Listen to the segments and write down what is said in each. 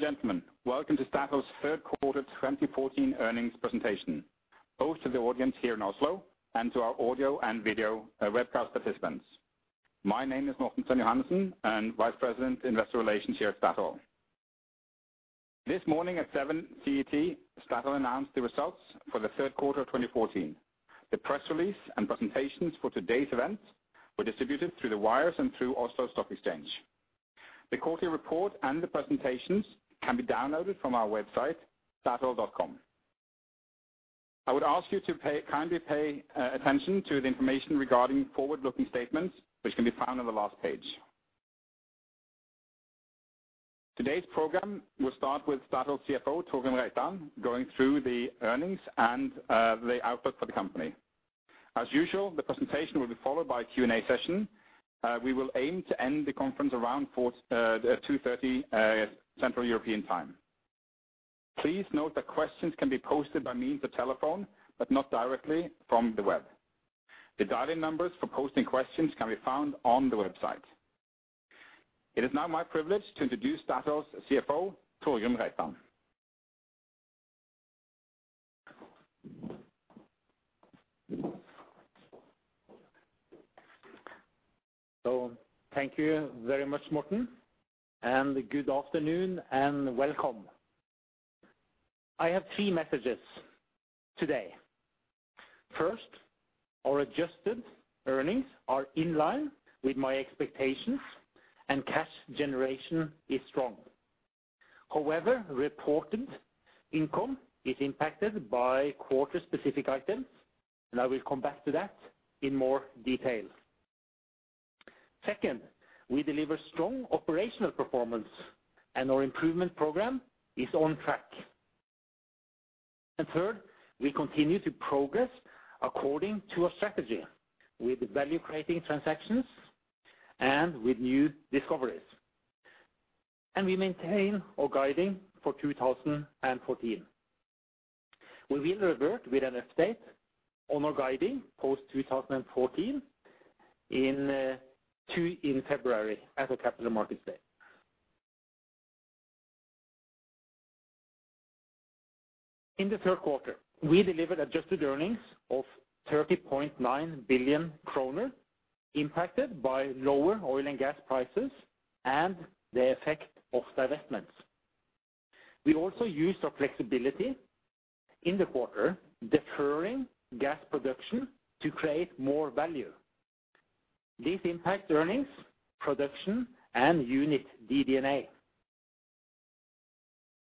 Gentlemen, welcome to Statoil's third quarter 2014 earnings presentation, both to the audience here in Oslo and to our audio and video webcast participants. My name is Morten Johannessen. I'm Vice President Investor Relations here at Statoil. This morning at 7 CET, Statoil announced the results for the third quarter of 2014. The press release and presentations for today's event were distributed through the wires and through Oslo Stock Exchange. The quarterly report and the presentations can be downloaded from our website, statoil.com. I would ask you to pay attention to the information regarding forward-looking statements, which can be found on the last page. Today's program will start with Statoil CFO Torgrim Reitan going through the earnings and the outlook for the company. As usual, the presentation will be followed by a Q&A session. We will aim to end the conference around 2:30 P.M. Central European Time. Please note that questions can be posted by means of telephone, but not directly from the web. The dial-in numbers for posting questions can be found on the website. It is now my privilege to introduce Statoil's CFO, Torgrim Reitan. Thank you very much, Morten, and good afternoon and welcome. I have three messages today. First, our adjusted earnings are in line with my expectations and cash generation is strong. However, reported income is impacted by quarter-specific items, and I will come back to that in more detail. Second, we deliver strong operational performance and our improvement program is on track. Third, we continue to progress according to our strategy with value-creating transactions and with new discoveries. We maintain our guiding for 2014. We will revert with an update on our guiding post 2014 in February at the Capital Markets Day. In the third quarter, we delivered adjusted earnings of 30.9 billion kroner, impacted by lower oil and gas prices and the effect of divestments. We also used our flexibility in the quarter, deferring gas production to create more value. This impacts earnings, production, and unit DD&A.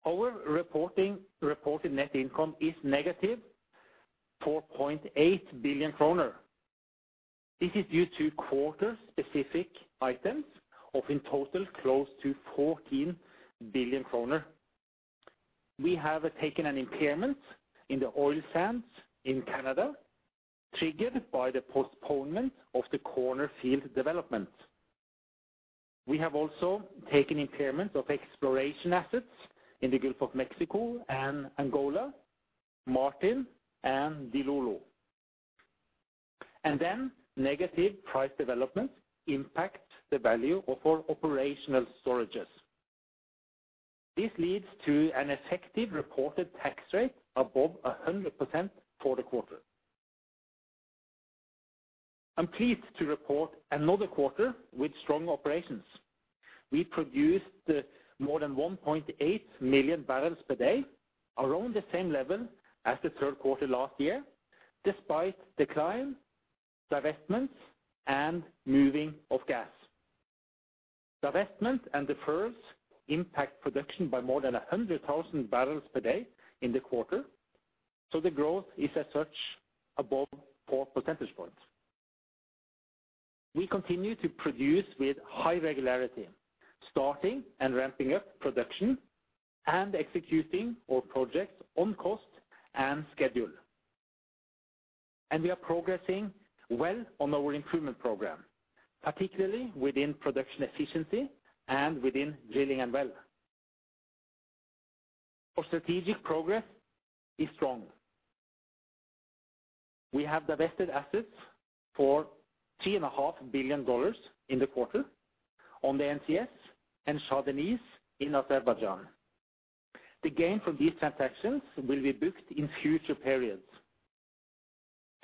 Our reported net income is -4.8 billion kroner. This is due to quarter specific items of, in total, close to 14 billion kroner. We have taken an impairment in the oil sands in Canada, triggered by the postponement of the Corner field development. We have also taken impairment of exploration assets in the Gulf of Mexico and Angola, Martin and Dilolo. Negative price developments impact the value of our operational storages. This leads to an effective reported tax rate above 100% for the quarter. I'm pleased to report another quarter with strong operations. We produced more than 1.8 MMbpd, around the same level as the third quarter last year, despite decline, divestments, and moving of gas. Divestment and deferrals impact production by more than 100,000 bpd in the quarter, so the growth is as such above 4 percentage points. We continue to produce with high regularity, starting and ramping up production and executing our projects on cost and schedule. We are progressing well on our improvement program, particularly within production efficiency and within drilling and well. Our strategic progress is strong. We have divested assets for $3.5 billion in the quarter on the NCS and Shah Deniz in Azerbaijan. The gain from these transactions will be booked in future periods.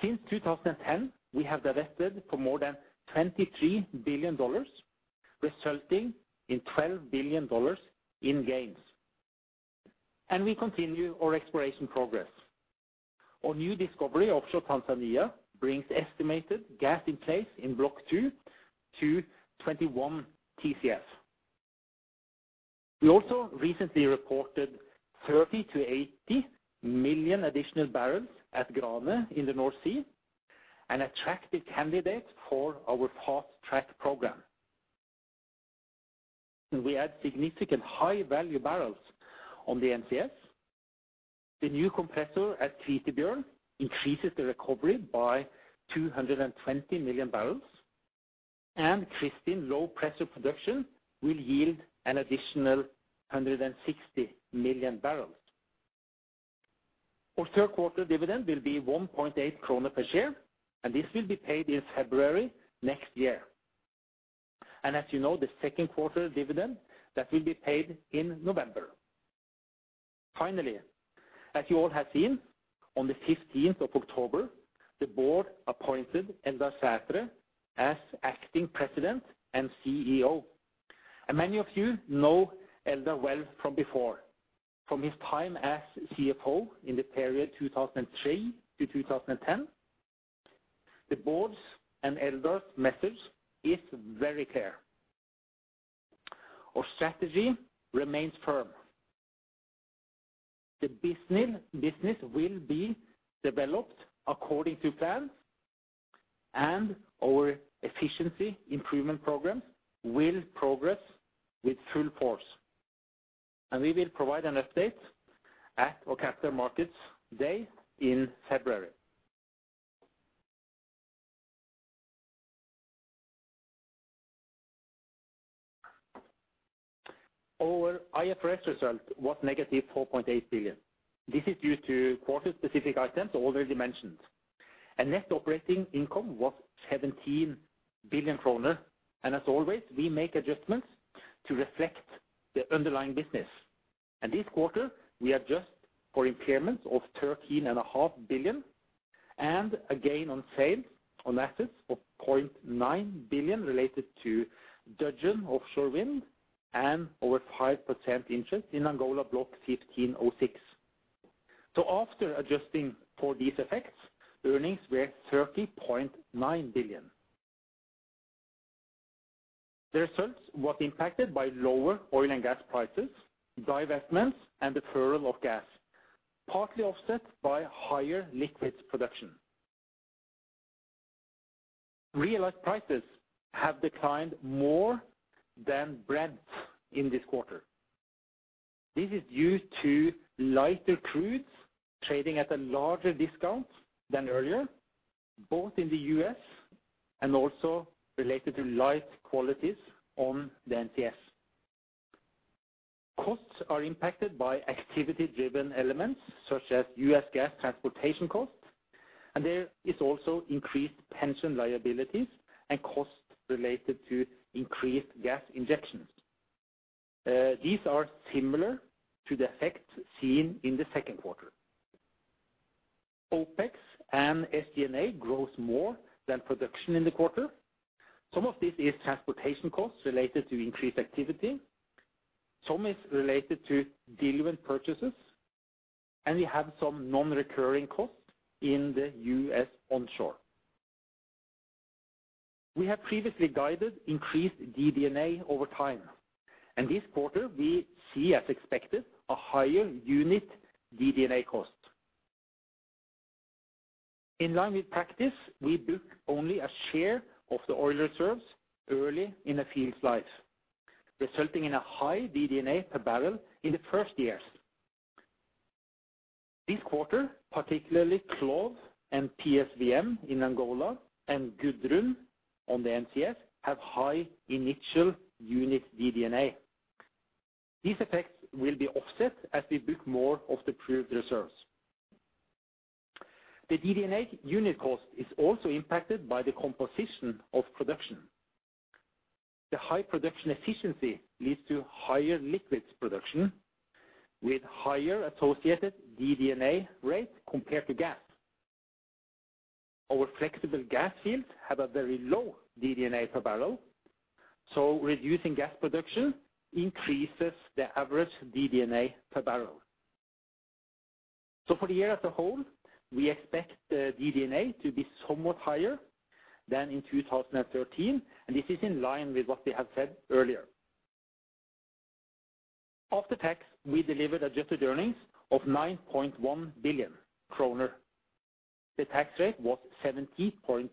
Since 2010, we have divested for more than $23 billion, resulting in $12 billion in gains. We continue our exploration progress. Our new discovery offshore Tanzania brings estimated gas in place in block two to 21 TCF. We also recently reported 30 million-80 million additional barrels at Grane in the North Sea, an attractive candidate for our fast-track program. We add significant high-value barrels on the NCS. The new compressor at Kvitebjørn increases the recovery by 220 MMbpd, and Kristin low-pressure production will yield an additional 160 MMbbl. Our third quarter dividend will be 1.8 krone per share, and this will be paid in February next year. As you know, the second quarter dividend, that will be paid in November. Finally, as you all have seen, on the fifteenth of October, the board appointed Eldar Sætre as acting president and CEO. Many of you know Eldar well from before, from his time as CFO in the period 2003 to 2010. The board's and Eldar's message is very clear. Our strategy remains firm. The business will be developed according to plan and our efficiency improvement program will progress with full force. We will provide an update at our Capital Markets Day in February. Our IFRS result was -4.8 billion. This is due to quarter-specific items already mentioned. Net operating income was 17 billion kroner. As always, we make adjustments to reflect the underlying business. This quarter, we adjust for impairments of 13.5 billion and a gain on sale on assets of 0.9 billion related to Dudgeon Offshore Wind and over 5% interest in Angola Block 15/06. After adjusting for these effects, earnings were 30.9 billion. The results was impacted by lower oil and gas prices, divestments, and deferral of gas, partly offset by higher liquids production. Realized prices have declined more than Brent in this quarter. This is due to lighter crudes trading at a larger discount than earlier, both in the US and also related to light qualities on the NCS. Costs are impacted by activity-driven elements such as US gas transportation costs, and there is also increased pension liabilities and costs related to increased gas injections. These are similar to the effects seen in the second quarter. OpEx and SG&A grows more than production in the quarter. Some of this is transportation costs related to increased activity. Some is related to diluent purchases, and we have some non-recurring costs in the U.S. onshore. We have previously guided increased DD&A over time, and this quarter we see, as expected, a higher unit DD&A cost. In line with practice, we book only a share of the oil reserves early in a field's life, resulting in a high DD&A per barrel in the first years. This quarter, particularly CLOV and PSVM in Angola and Gudrun on the NCS have high initial unit DD&A. These effects will be offset as we book more of the proved reserves. The DD&A unit cost is also impacted by the composition of production. The high production efficiency leads to higher liquids production with higher associated DD&A rate compared to gas. Our flexible gas fields have a very low DD&A per barrel, so reducing gas production increases the average DD&A per barrel. For the year as a whole, we expect the DD&A to be somewhat higher than in 2013, and this is in line with what we have said earlier. After tax, we delivered adjusted earnings of 9.1 billion kroner. The tax rate was 70.6%.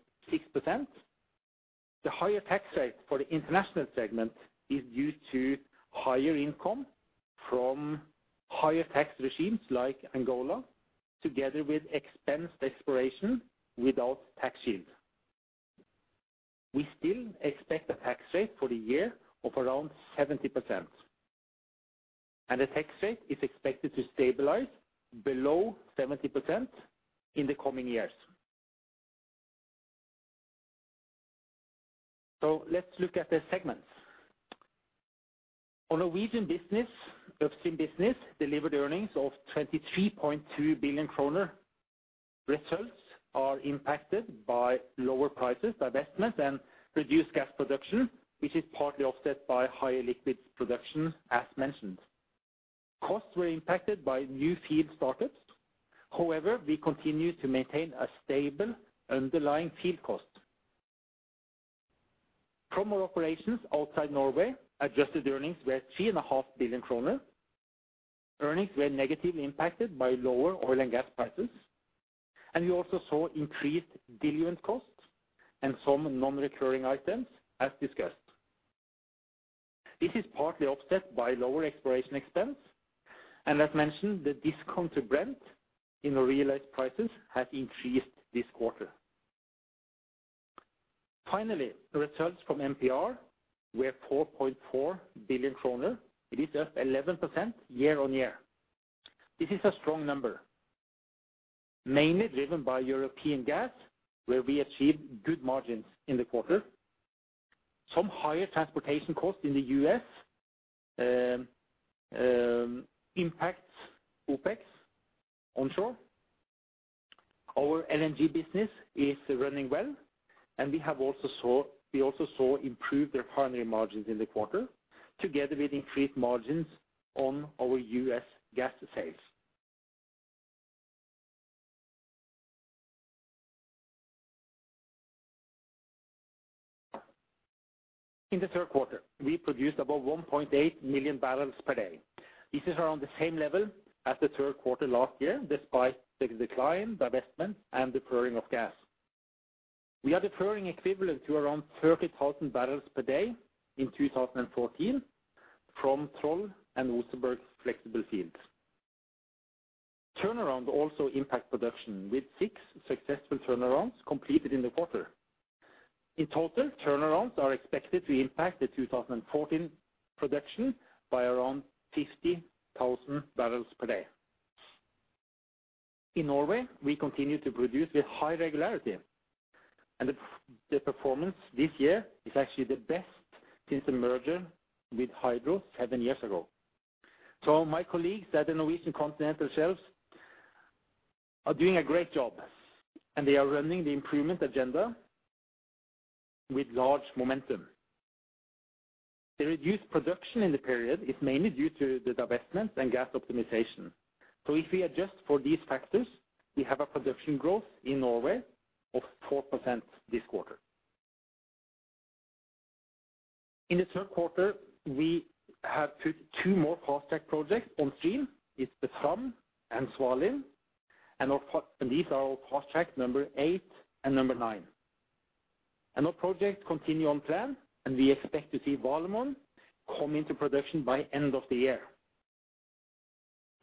The higher tax rate for the international segment is due to higher income from higher tax regimes like Angola, together with expensive exploration without tax shield. We still expect a tax rate for the year of around 70%. The tax rate is expected to stabilize below 70% in the coming years. Let's look at the segments. Our Norwegian business, upstream business, delivered earnings of 23.2 billion kroner. Results are impacted by lower prices, divestments, and reduced gas production, which is partly offset by higher liquids production as mentioned. Costs were impacted by new field startups. However, we continue to maintain a stable underlying field cost. From our operations outside Norway, adjusted earnings were three and a half billion kroner. Earnings were negatively impacted by lower oil and gas prices, and we also saw increased diluent costs and some non-recurring items as discussed. This is partly offset by lower exploration expense. As mentioned, the discount to Brent in realized prices has increased this quarter. Finally, the results from MPR were 4.4 billion kroner. It is up 11% year-on-year. This is a strong number, mainly driven by European gas, where we achieved good margins in the quarter. Some higher transportation costs in the U.S., impacts OpEx onshore. Our LNG business is running well and we also saw improved refinery margins in the quarter together with increased margins on our U.S. gas sales. In the third quarter, we produced above 1.8 MMbpd. This is around the same level as the third quarter last year, despite the decline, divestment, and deferring of gas. We are deferring equivalent to around 30,000 bpd in 2014 from Troll and Oseberg flexible fields. Turnaround also impact production with six successful turnarounds completed in the quarter. In total, turnarounds are expected to impact the 2014 production by around 50,000 bpd. In Norway, we continue to produce with high regularity, and the performance this year is actually the best since the merger with Hydro seven years ago. My colleagues at the Norwegian Continental Shelf are doing a great job, and they are running the improvement agenda with large momentum. The reduced production in the period is mainly due to the divestment and gas optimization. If we adjust for these factors, we have a production growth in Norway of 4% this quarter. In the third quarter, we have put two more fast-track projects on stream. It's the Smørbukk and Svalin, and these are our fast-track number eight and number nine. Our projects continue on plan, and we expect to see Valemon come into production by end of the year.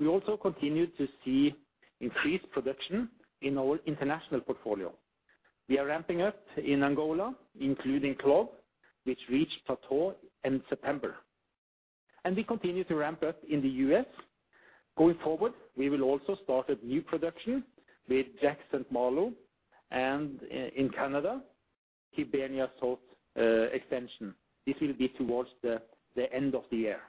We also continue to see increased production in our international portfolio. We are ramping up in Angola, including CLOV, which reached start-up in September, and we continue to ramp up in the U.S. Going forward, we will also start a new production with Jack/St. Malo, and in Canada, Hibernia South extension. This will be towards the end of the year.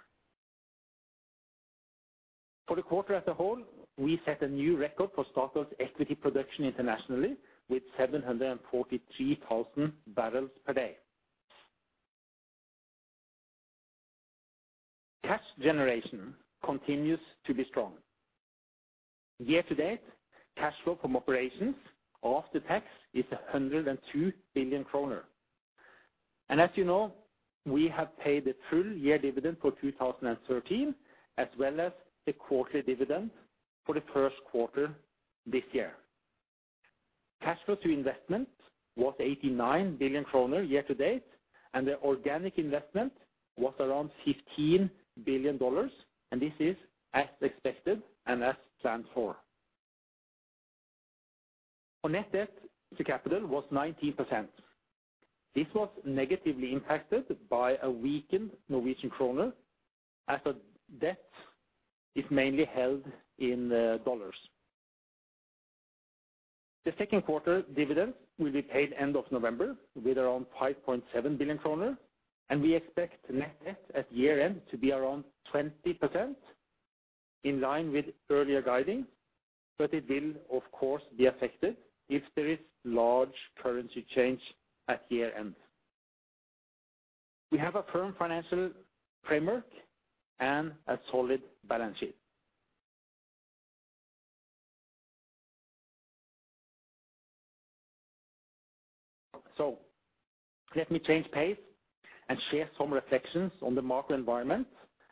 For the quarter as a whole, we set a new record for Statoil's equity production internationally with 743,000 bpd. Cash generation continues to be strong. Year to date, cash flow from operations after tax is 102 billion kroner. As you know, we have paid the full year dividend for 2013, as well as the quarterly dividend for the first quarter this year. Cash flow to investment was 89 billion kroner year to date, and the organic investment was around $15 billion, and this is as expected and as planned for. Our net debt to capital was 19%. This was negatively impacted by a weakened Norwegian krone, as our debt is mainly held in dollars. The second quarter dividend will be paid end of November with around 5.7 billion kroner, and we expect net debt at year-end to be around 20% in line with earlier guidance. It will, of course, be affected if there is large currency change at year-end. We have a firm financial framework and a solid balance sheet. Let me change pace and share some reflections on the market environment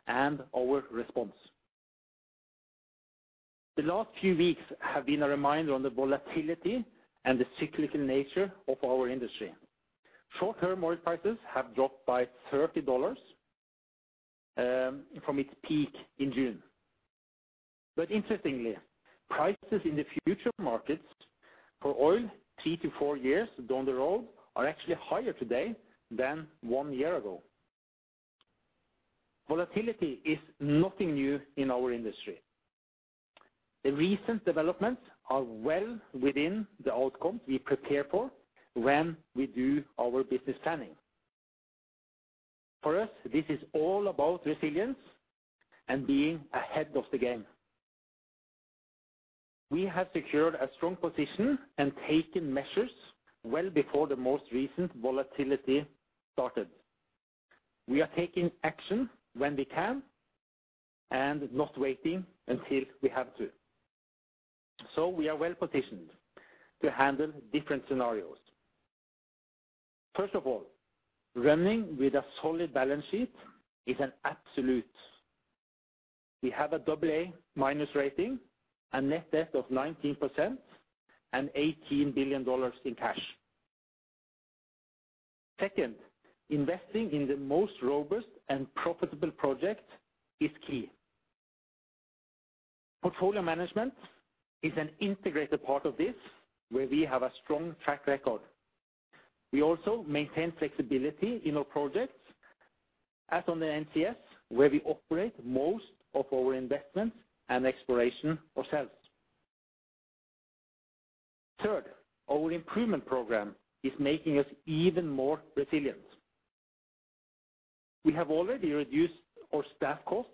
and our response. The last few weeks have been a reminder on the volatility and the cyclical nature of our industry. Short-term oil prices have dropped by $30 from its peak in June. Interestingly, prices in the futures markets for oil three to four years down the road are actually higher today than one year ago. Volatility is nothing new in our industry. The recent developments are well within the outcomes we prepare for when we do our business planning. For us, this is all about resilience and being ahead of the game. We have secured a strong position and taken measures well before the most recent volatility started. We are taking action when we can and not waiting until we have to. We are well-positioned to handle different scenarios. First of all, running with a solid balance sheet is an absolute. We have a AA- rating, a net debt of 19%, and $18 billion in cash. Second, investing in the most robust and profitable project is key. Portfolio management is an integrated part of this, where we have a strong track record. We also maintain flexibility in our projects, as on the NCS, where we operate most of our investments and exploration ourselves. Third, our improvement program is making us even more resilient. We have already reduced our staff costs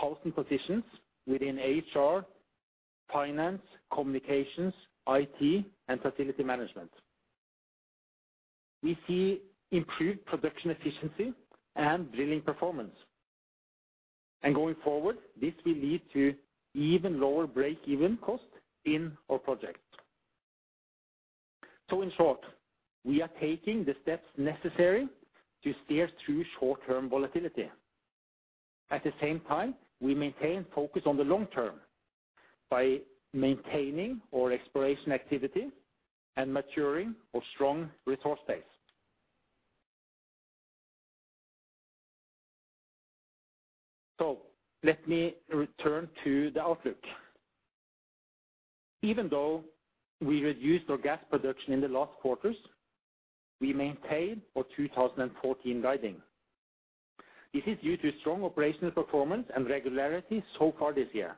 after reducing by more than 1,000 positions within HR, finance, communications, IT, and facility management. We see improved production efficiency and drilling performance. Going forward, this will lead to even lower break-even cost in our projects. In short, we are taking the steps necessary to steer through short-term volatility. At the same time, we maintain focus on the long term by maintaining our exploration activity and maturing our strong resource base. Let me return to the outlook. Even though we reduced our gas production in the last quarters, we maintained our 2014 guidance. This is due to strong operational performance and regularity so far this year.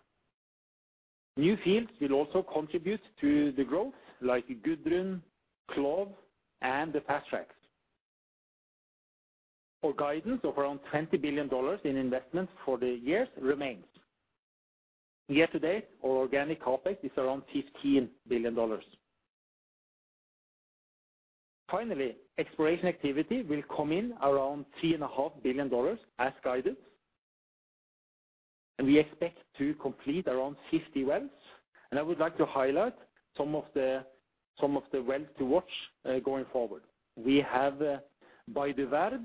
New fields will also contribute to the growth, like Gudrun, CLOV, and the fast tracks. Our guidance of around $20 billion in investments for the years remains. Year-to-date, our organic CapEx is around $15 billion. Finally, exploration activity will come in around $3.5 billion as guided, and we expect to complete around 50 wells, and I would like to highlight some of the wells to watch going forward. We have Bay du Nord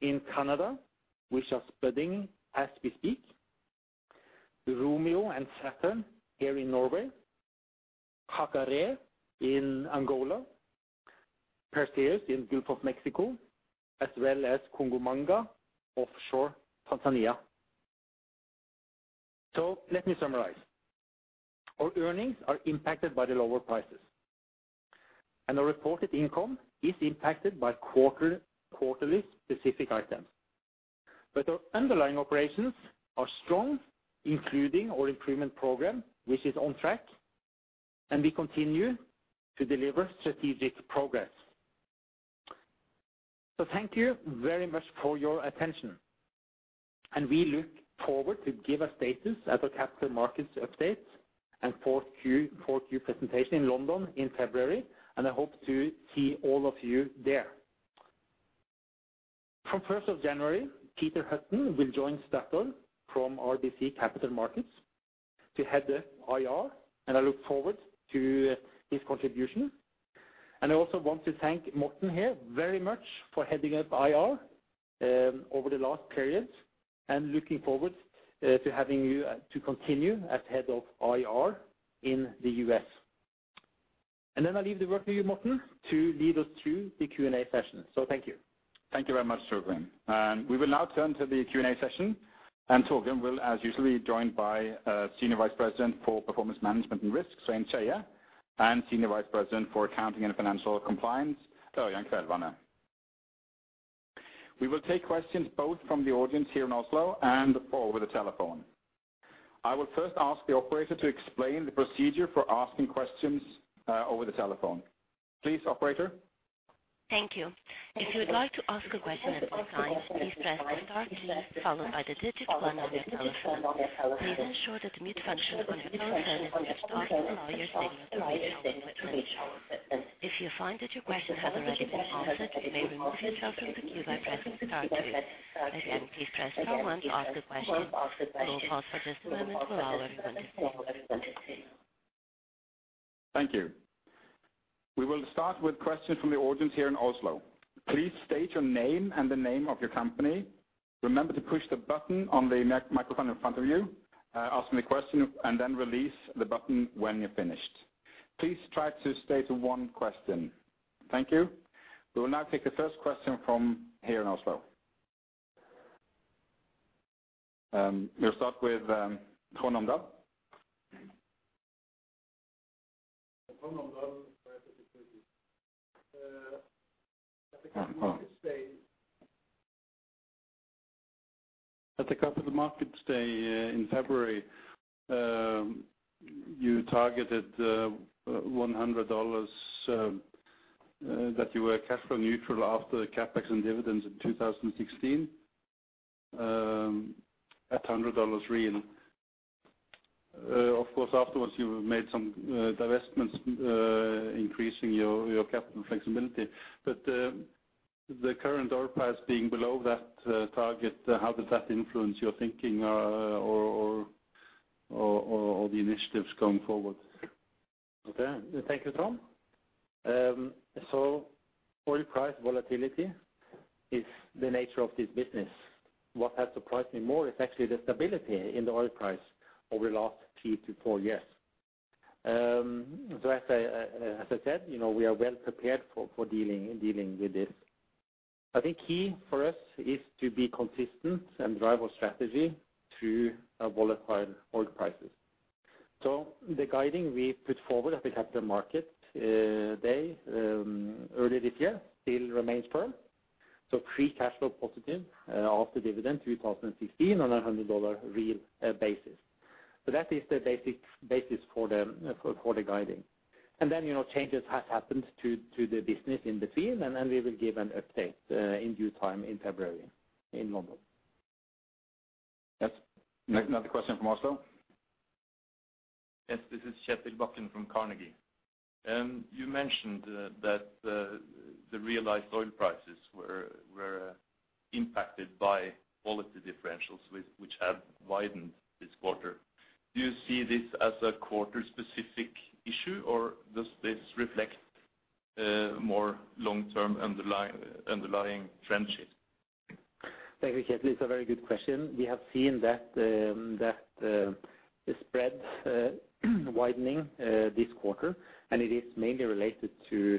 in Canada, which are spreading as we speak. Romeo and Saturn here in Norway. Kaxare in Angola. Perseus in Gulf of Mexico, as well as Kungamanga offshore Tanzania. Let me summarize. Our earnings are impacted by the lower prices, and our reported income is impacted by quarterly specific items. Our underlying operations are strong, including our improvement program, which is on track, and we continue to deliver strategic progress. Thank you very much for your attention, and we look forward to give a status at our capital markets update and fourth quarter presentation in London in February, and I hope to see all of you there. From first of January, Peter Hutton will join Statoil from RBC Capital Markets to head the IR, and I look forward to his contribution. I also want to thank Morten here very much for heading up IR over the last period, and looking forward to having you to continue as head of IR in the U.S. I leave the work to you, Morten, to lead us through the Q&A session. Thank you. Thank you very much, Torgrim. We will now turn to the Q&A session. Torgrim will, as usual, be joined by Senior Vice President for Performance Management and Risk, Svein Skeie, and Senior Vice President for Accounting and Financial Compliance, Ørjan Kvelvane. We will take questions both from the audience here in Oslo and over the telephone. I will first ask the operator to explain the procedure for asking questions over the telephone. Please, operator. Thank you. If you would like to ask a question at this time, please press star two, followed by the digit one on your telephone. Please ensure that the mute function on your phone set is toggled to allow your signal to reach our equipment. If you find that your question has already been answered, you may remove yourself from the queue by pressing star two. Again, please press star one to ask a question. We will pause for just a moment to allow everyone to stay. Thank you. We will start with questions from the audience here in Oslo. Please state your name and the name of your company. Remember to push the button on the microphone in front of you asking the question, and then release the button when you're finished. Please try to state one question. Thank you. We will now take the first question from here in Oslo. We'll start with Trond Omdal. Trond Omdal. At the Capital Markets Day in February, you targeted $100 that you were cash flow neutral after the CapEx and dividends in 2016 at $100 Brent. Of course, afterwards, you made some divestments increasing your capital flexibility. The current oil price being below that target, how does that influence your thinking or the initiatives going forward? Okay. Thank you, Torgrim. Oil price volatility is the nature of this business. What has surprised me more is actually the stability in the oil price over the last three to four years. As I said, you know, we are well prepared for dealing with this. I think key for us is to be consistent and drive our strategy through volatile oil prices. The guidance we put forward at the Capital Markets Day earlier this year still remains firm. Free cash flow positive after dividend 2016 on a $100 real basis. That is the basis for the guidance. You know, changes has happened to the business in between, and then we will give an update in due time in February in London. Yes. Another question from Jesper. Yes, this is Kjetil Bakken from Carnegie. You mentioned that the realized oil prices were impacted by quality differentials which have widened this quarter. Do you see this as a quarter-specific issue, or does this reflect more long-term underlying trends here? Thank you, Kjetil. It's a very good question. We have seen that the spread widening this quarter, and it is mainly related to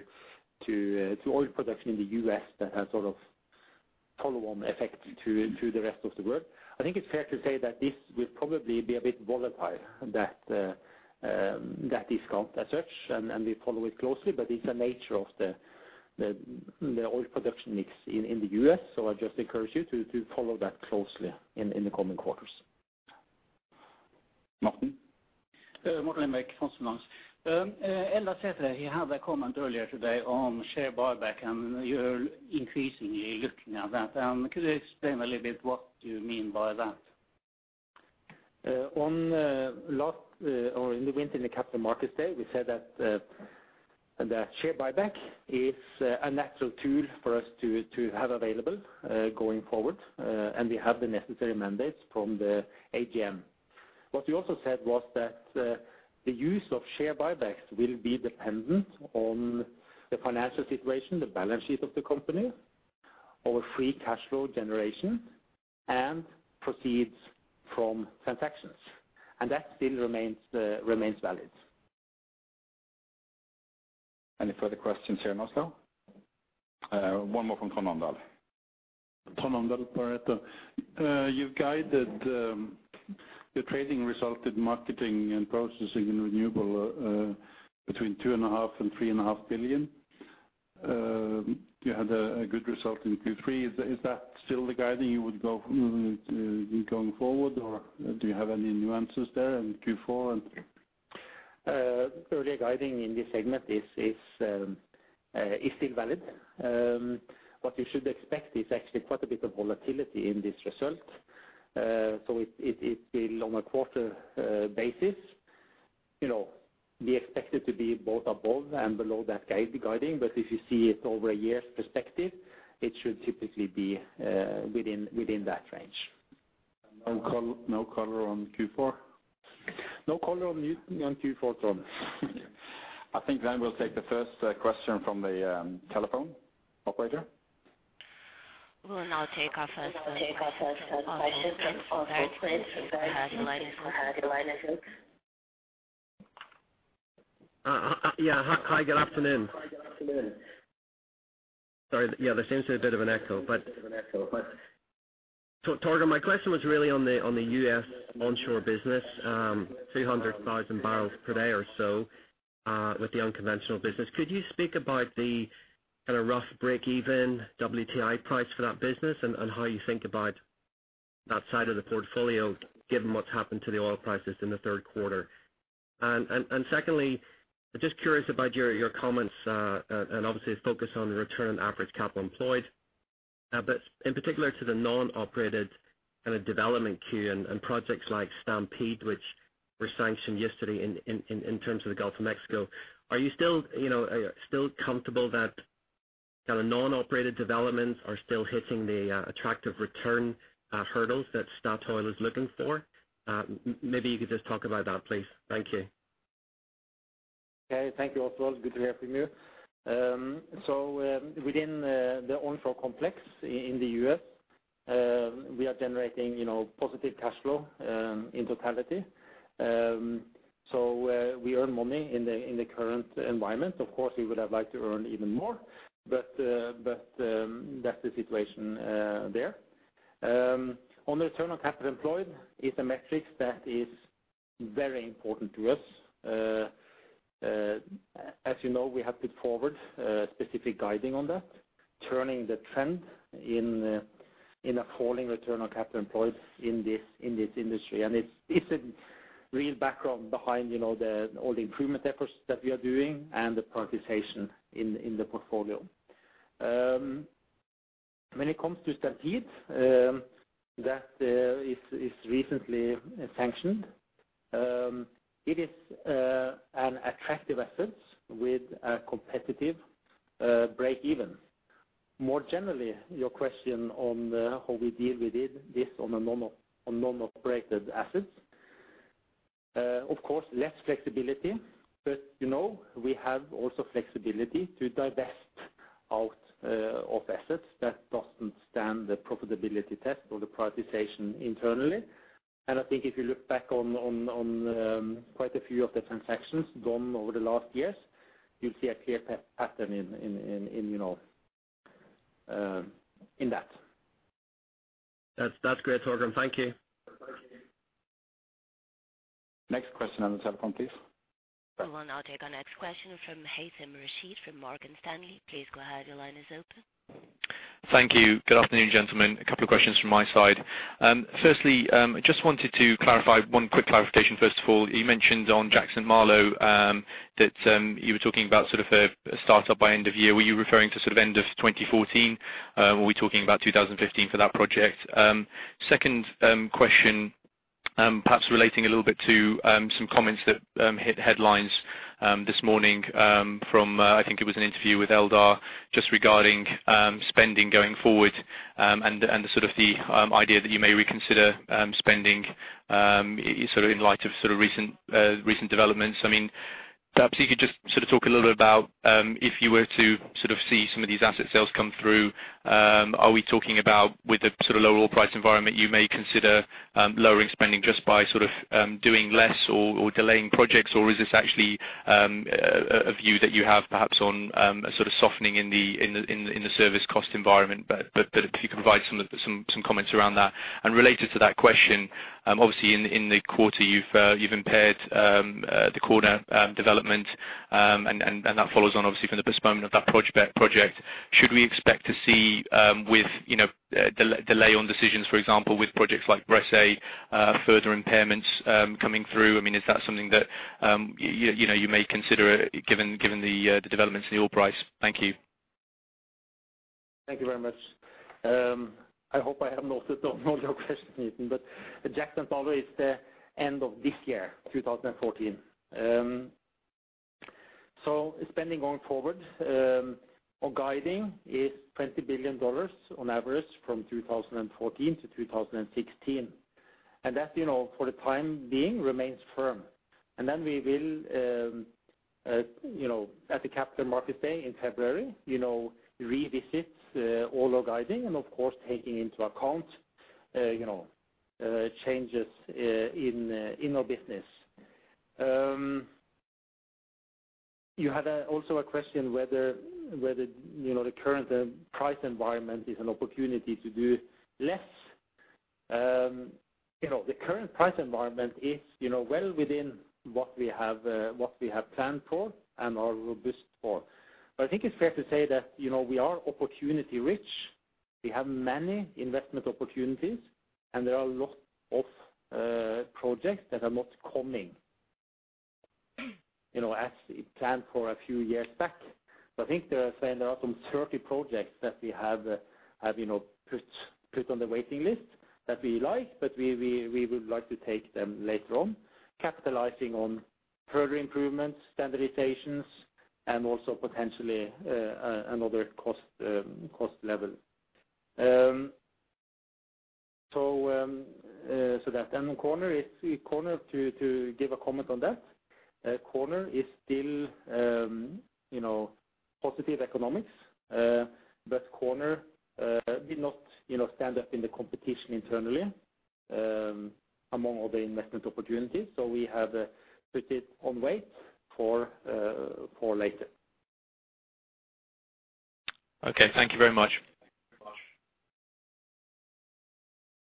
oil production in the U.S. that has sort of follow-on effect to the rest of the world. I think it's fair to say that this will probably be a bit volatile, that discount as such, and we follow it closely. It's the nature of the oil production mix in the U.S. I just encourage you to follow that closely in the coming quarters. Morten? Morten Evjenth. Eldar said that you had a comment earlier today on share buyback, and you're increasingly looking at that. Could you explain a little bit what you mean by that? At last winter's Capital Markets Day, we said that share buyback is a natural tool for us to have available going forward. We have the necessary mandates from the AGM. What we also said was that the use of share buybacks will be dependent on the financial situation, the balance sheet of the company, our free cash flow generation, and proceeds from transactions. That still remains valid. Any further questions here in Oslo? One more from Trond Omdal. Trond Omdal, Pareto. You've guided the trading result in marketing and processing and renewable between $2.5 billion and $3.5 billion. You had a good result in Q3. Is that still the guidance you would go going forward, or do you have any new answers there in Q4? Earlier guidance in this segment is still valid. What you should expect is actually quite a bit of volatility in this result. It's been on a quarterly basis. You know, we expect it to be both above and below that guidance. If you see it over a year's perspective, it should typically be within that range. No call, no color on Q4? No color on news on Q4. I think then we'll take the first question from the telephone operator. We will now take our first question from the phone. Please press star to un-mute your line if you'd like. Yeah. Hi, good afternoon. Sorry. Yeah, there seems to be a bit of an echo. Torgrim, my question was really on the U.S. onshore business, 300,000 bpd or so, with the unconventional business. Could you speak about the kind of rough break even WTI price for that business and how you think about that side of the portfolio, given what's happened to the oil prices in the third quarter? Secondly, just curious about your comments and obviously a focus on the return on average capital employed. But in particular to the non-operated kind of development queue and projects like Stampede, which were sanctioned yesterday in terms of the Gulf of Mexico. Are you still, you know, still comfortable that the non-operated developments are still hitting the attractive return hurdles that Statoil is looking for? Maybe you could just talk about that, please. Thank you. Okay. Thank you, Oswald. Good to hear from you. So, within the onshore complex in the US, we are generating, you know, positive cash flow in totality. So, we earn money in the current environment. Of course, we would have liked to earn even more, but that's the situation there. On the return on capital employed is a metric that is very important to us. As you know, we have put forward specific guidance on that, turning the trend in a falling return on capital employed in this industry. It's a real background behind, you know, all the improvement efforts that we are doing and the participation in the portfolio. When it comes to Stampede, that is recently sanctioned. It is an attractive assets with a competitive breakeven. More generally, your question on how we deal with it, this on non-operated assets. Of course, less flexibility, but, you know, we have also flexibility to divest out of assets that doesn't stand the profitability test or the prioritization internally. I think if you look back on quite a few of the transactions done over the last years, you'll see a clear pattern in that. That's great, Torgrim. Thank you. Next question on the telephone, please. We'll now take our next question from Haythem Rashed from Morgan Stanley. Please go ahead. Your line is open. Thank you. Good afternoon, gentlemen. A couple of questions from my side. First, just wanted to clarify one quick clarification, first of all. You mentioned on Jack/St. Malo that you were talking about sort of a startup by end of year. Were you referring to sort of end of 2014? Were we talking about 2015 for that project? Second question, perhaps relating a little bit to some comments that hit headlines this morning from, I think it was an interview with Eldar just regarding spending going forward and the sort of the idea that you may reconsider spending sort of in light of sort of recent recent developments. I mean, perhaps you could just sort of talk a little bit about, if you were to sort of see some of these asset sales come through, are we talking about with the sort of lower oil price environment, you may consider, lowering spending just by sort of, doing less or delaying projects? Or is this actually, a view that you have perhaps on, a sort of softening in the service cost environment? But if you could provide some of the comments around that. Related to that question, obviously in the quarter, you've impaired the Corner development, and that follows on obviously from the postponement of that project. Should we expect to see, with you know, delay on decisions, for example, with projects like Bressay, further impairments coming through? I mean, is that something that you know, you may consider given the developments in the oil price? Thank you. Thank you very much. I hope I have noted down all your questions, Haythem. Jack/St. Malo is the end of this year, 2014. Spending going forward, our guiding is $20 billion on average from 2014-2016. That, you know, for the time being remains firm. Then we will, you know, at the Capital Markets Day in February, you know, revisit all our guiding and of course, taking into account, you know, changes in our business. You had also a question whether, you know, the current price environment is an opportunity to do less. You know, the current price environment is, you know, well within what we have planned for and are robust for. I think it's fair to say that, you know, we are opportunity rich. We have many investment opportunities, and there are a lot of projects that are not coming, you know, as we planned for a few years back. I think they're saying there are some 30 projects that we have, you know, put on the waiting list that we like, but we would like to take them later on, capitalizing on further improvements, standardizations, and also potentially another cost level. That then Corner is to give a comment on that. Corner is still, you know, positive economics, but Corner did not, you know, stand up in the competition internally, among all the investment opportunities. We have put it on wait for later. Okay. Thank you very much.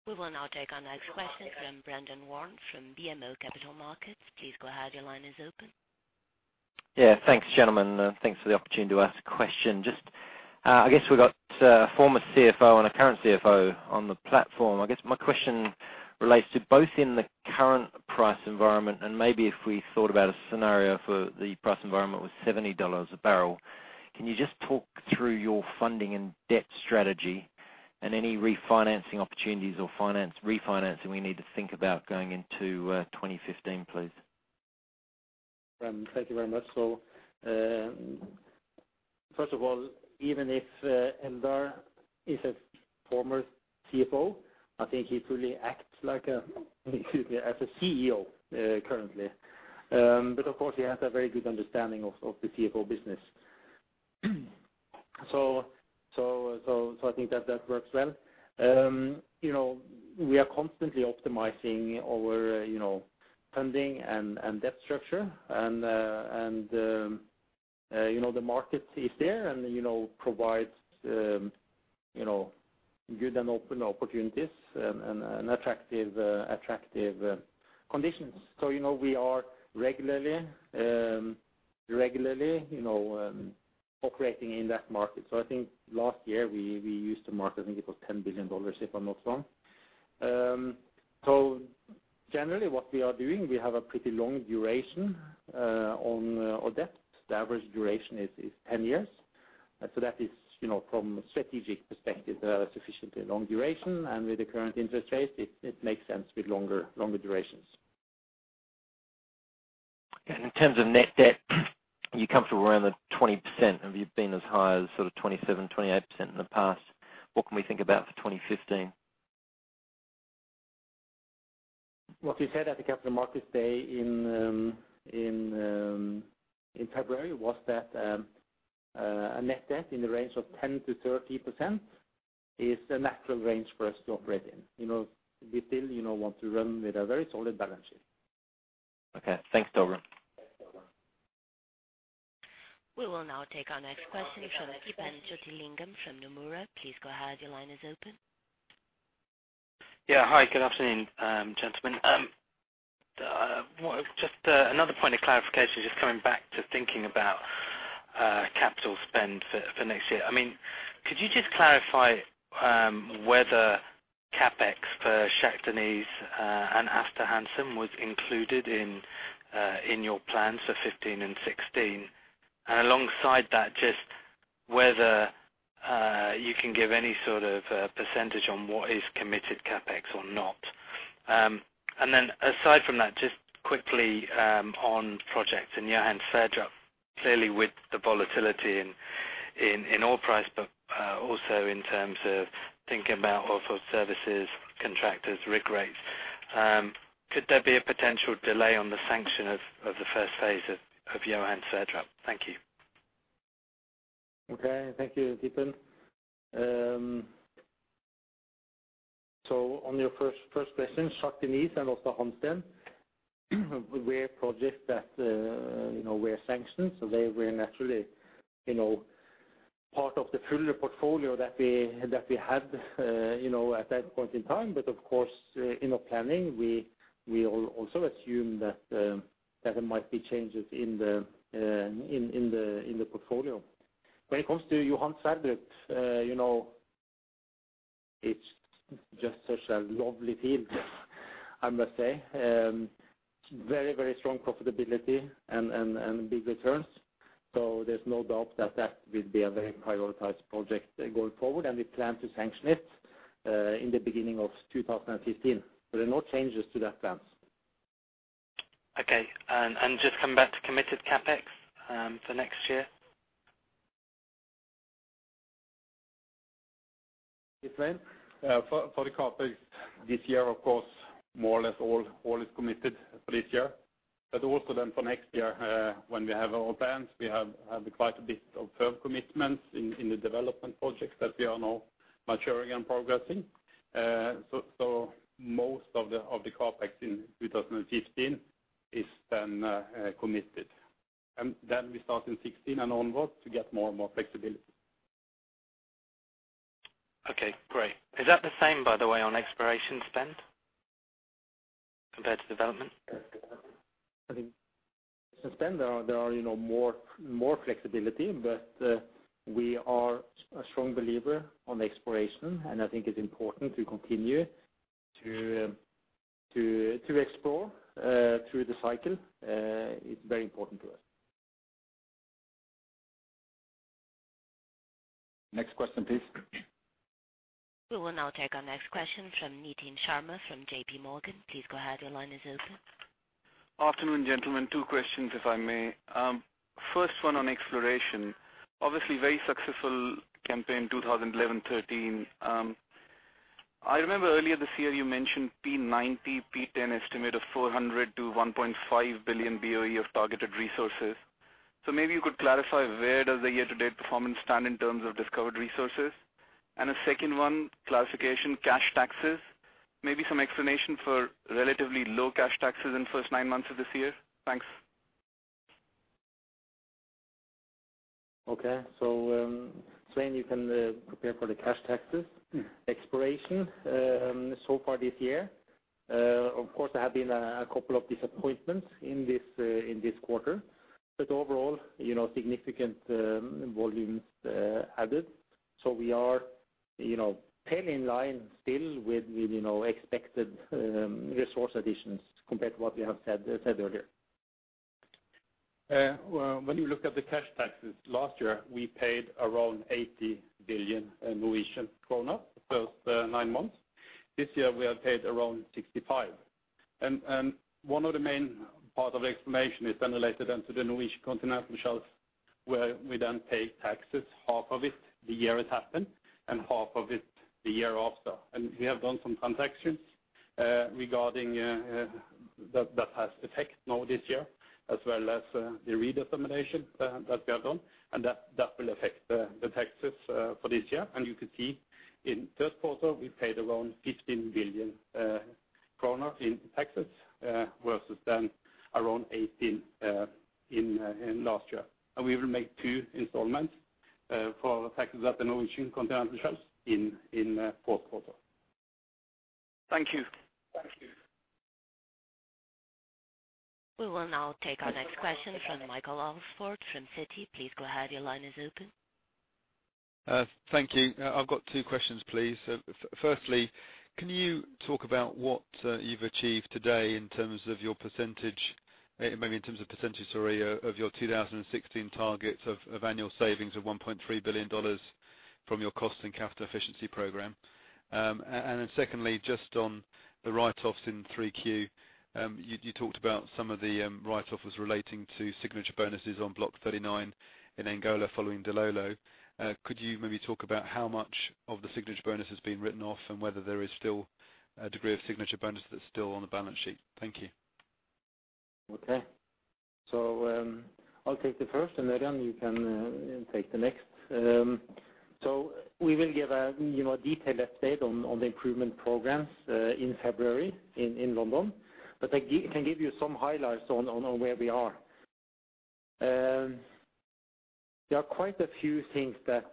We will now take our next question from Brendan Warn from BMO Capital Markets. Please go ahead. Your line is open. Yeah. Thanks, gentlemen. Thanks for the opportunity to ask a question. Just, I guess we got a former CFO and a current CFO on the platform. I guess my question relates to both in the current price environment and maybe if we thought about a scenario for the price environment with $70 a barrel. Can you just talk through your funding and debt strategy and any refinancing opportunities or finance refinancing we need to think about going into 2015, please? Brendan, thank you very much. First of all, even if Eldar is a former CFO, I think he truly acts like a, excuse me, as a CEO currently. Of course, he has a very good understanding of the CFO business. I think that works well. You know, we are constantly optimizing our, you know, funding and debt structure. You know, the market is there and provides good and open opportunities and attractive conditions. You know, we are regularly operating in that market. I think last year we used the market, I think it was $10 billion if I'm not wrong. Generally what we are doing, we have a pretty long duration on our debt. The average duration is 10 years. That is, you know, from a strategic perspective, sufficiently long duration. With the current interest rates, it makes sense with longer durations. In terms of net debt, you're comfortable around the 20%, and you've been as high as sort of 27%-28% in the past. What can we think about for 2015? What we said at the Capital Markets Day in February was that a net debt in the range of 10%-30% is the natural range for us to operate in. You know, we still, you know, want to run with a very solid balance sheet. Okay. Thanks, Torgrim. We will now take our next question from Theepan Jothilingam from Nomura. Please go ahead. Your line is open. Yeah. Hi, good afternoon, gentlemen. Another point of clarification, just coming back to thinking about capital spend for next year. I mean, could you just clarify whether CapEx for Shah Deniz and Aasta Hansteen was included in your plans for 2015 and 2016? Alongside that, just whether you can give any sort of percentage on what is committed CapEx or not. Aside from that, just quickly, on projects in Johan Sverdrup, clearly with the volatility in oil price, but also in terms of thinking about offshore services, contractors, rig rates, could there be a potential delay on the sanction of the first phase of Johan Sverdrup? Thank you. Okay, thank you, Theepan. On your first question, Shah Deniz and Aasta Hansteen were projects that you know were sanctioned. They were naturally you know part of the fuller portfolio that we had you know at that point in time. Of course in our planning we also assume that there might be changes in the portfolio. When it comes to Johan Sverdrup you know it's just such a lovely field I must say. Very strong profitability and big returns. There's no doubt that it will be a very prioritized project going forward, and we plan to sanction it in the beginning of 2015. There are no changes to that plan. Okay. Just coming back to committed CapEx for next year. Yes, Svein. For the CapEx this year, of course, more or less all is committed for this year. Also then for next year, when we have our plans, we have quite a bit of firm commitments in the development projects that we are now maturing and progressing. Most of the CapEx in 2015 is then committed. We start in 2016 and onwards to get more and more flexibility. Okay, great. Is that the same, by the way, on exploration spend compared to development? I think there's, you know, more flexibility. We are a strong believer in exploration, and I think it's important to continue to explore through the cycle. It's very important to us. Next question, please. We will now take our next question from Nitin Sharma from JPMorgan. Please go ahead. Your line is open. Afternoon, gentlemen. Two questions if I may. First one on exploration. Obviously very successful campaign 2011, 2013. I remember earlier this year you mentioned P90, P10 estimate of 400 billion-1.5 billion BOE of targeted resources. Maybe you could clarify where does the year-to-date performance stand in terms of discovered resources? And a second one, classification cash taxes, maybe some explanation for relatively low cash taxes in first nine months of this year. Thanks. Okay. Svein, you can prepare for the cash taxes. Exploration so far this year, of course there have been a couple of disappointments in this quarter. Overall, you know, significant volumes added. We are, you know, still in line with expected resource additions compared to what we have said earlier. Well, when you look at the cash taxes last year, we paid around 80 billion Norwegian krone the first nine months. This year we have paid around 65 billion. One of the main part of explanation is related to the Norwegian Continental Shelf, where we then pay taxes, half of it the year it happened and half of it the year after. We have done some transactions regarding that that has effect now this year as well as the redetermination that we have done. That will affect the taxes for this year. You can see in first quarter we paid around 15 billion kroner in taxes versus around 18 in last year. We will make two installments for the taxes at the Norwegian Continental Shelf in fourth quarter. Thank you. We will now take our next question from Michael Alsford from Citi. Please go ahead. Your line is open. Thank you. I've got two questions, please. Firstly, can you talk about what you've achieved today in terms of your percentage, maybe in terms of percentage, sorry, of your 2016 targets of annual savings of $1.3 billion from your cost and capital efficiency program? And then secondly, just on the write-offs in 3Q You talked about some of the write-offs relating to signature bonuses on Block 39 in Angola following Dilolo. Could you maybe talk about how much of the signature bonus has been written off and whether there is still a degree of signature bonus that's still on the balance sheet? Thank you. Okay. I'll take the first, and then, Ørjan, you can take the next. We will give, you know, a detailed update on the improvement programs in February in London. I can give you some highlights on where we are. There are quite a few things that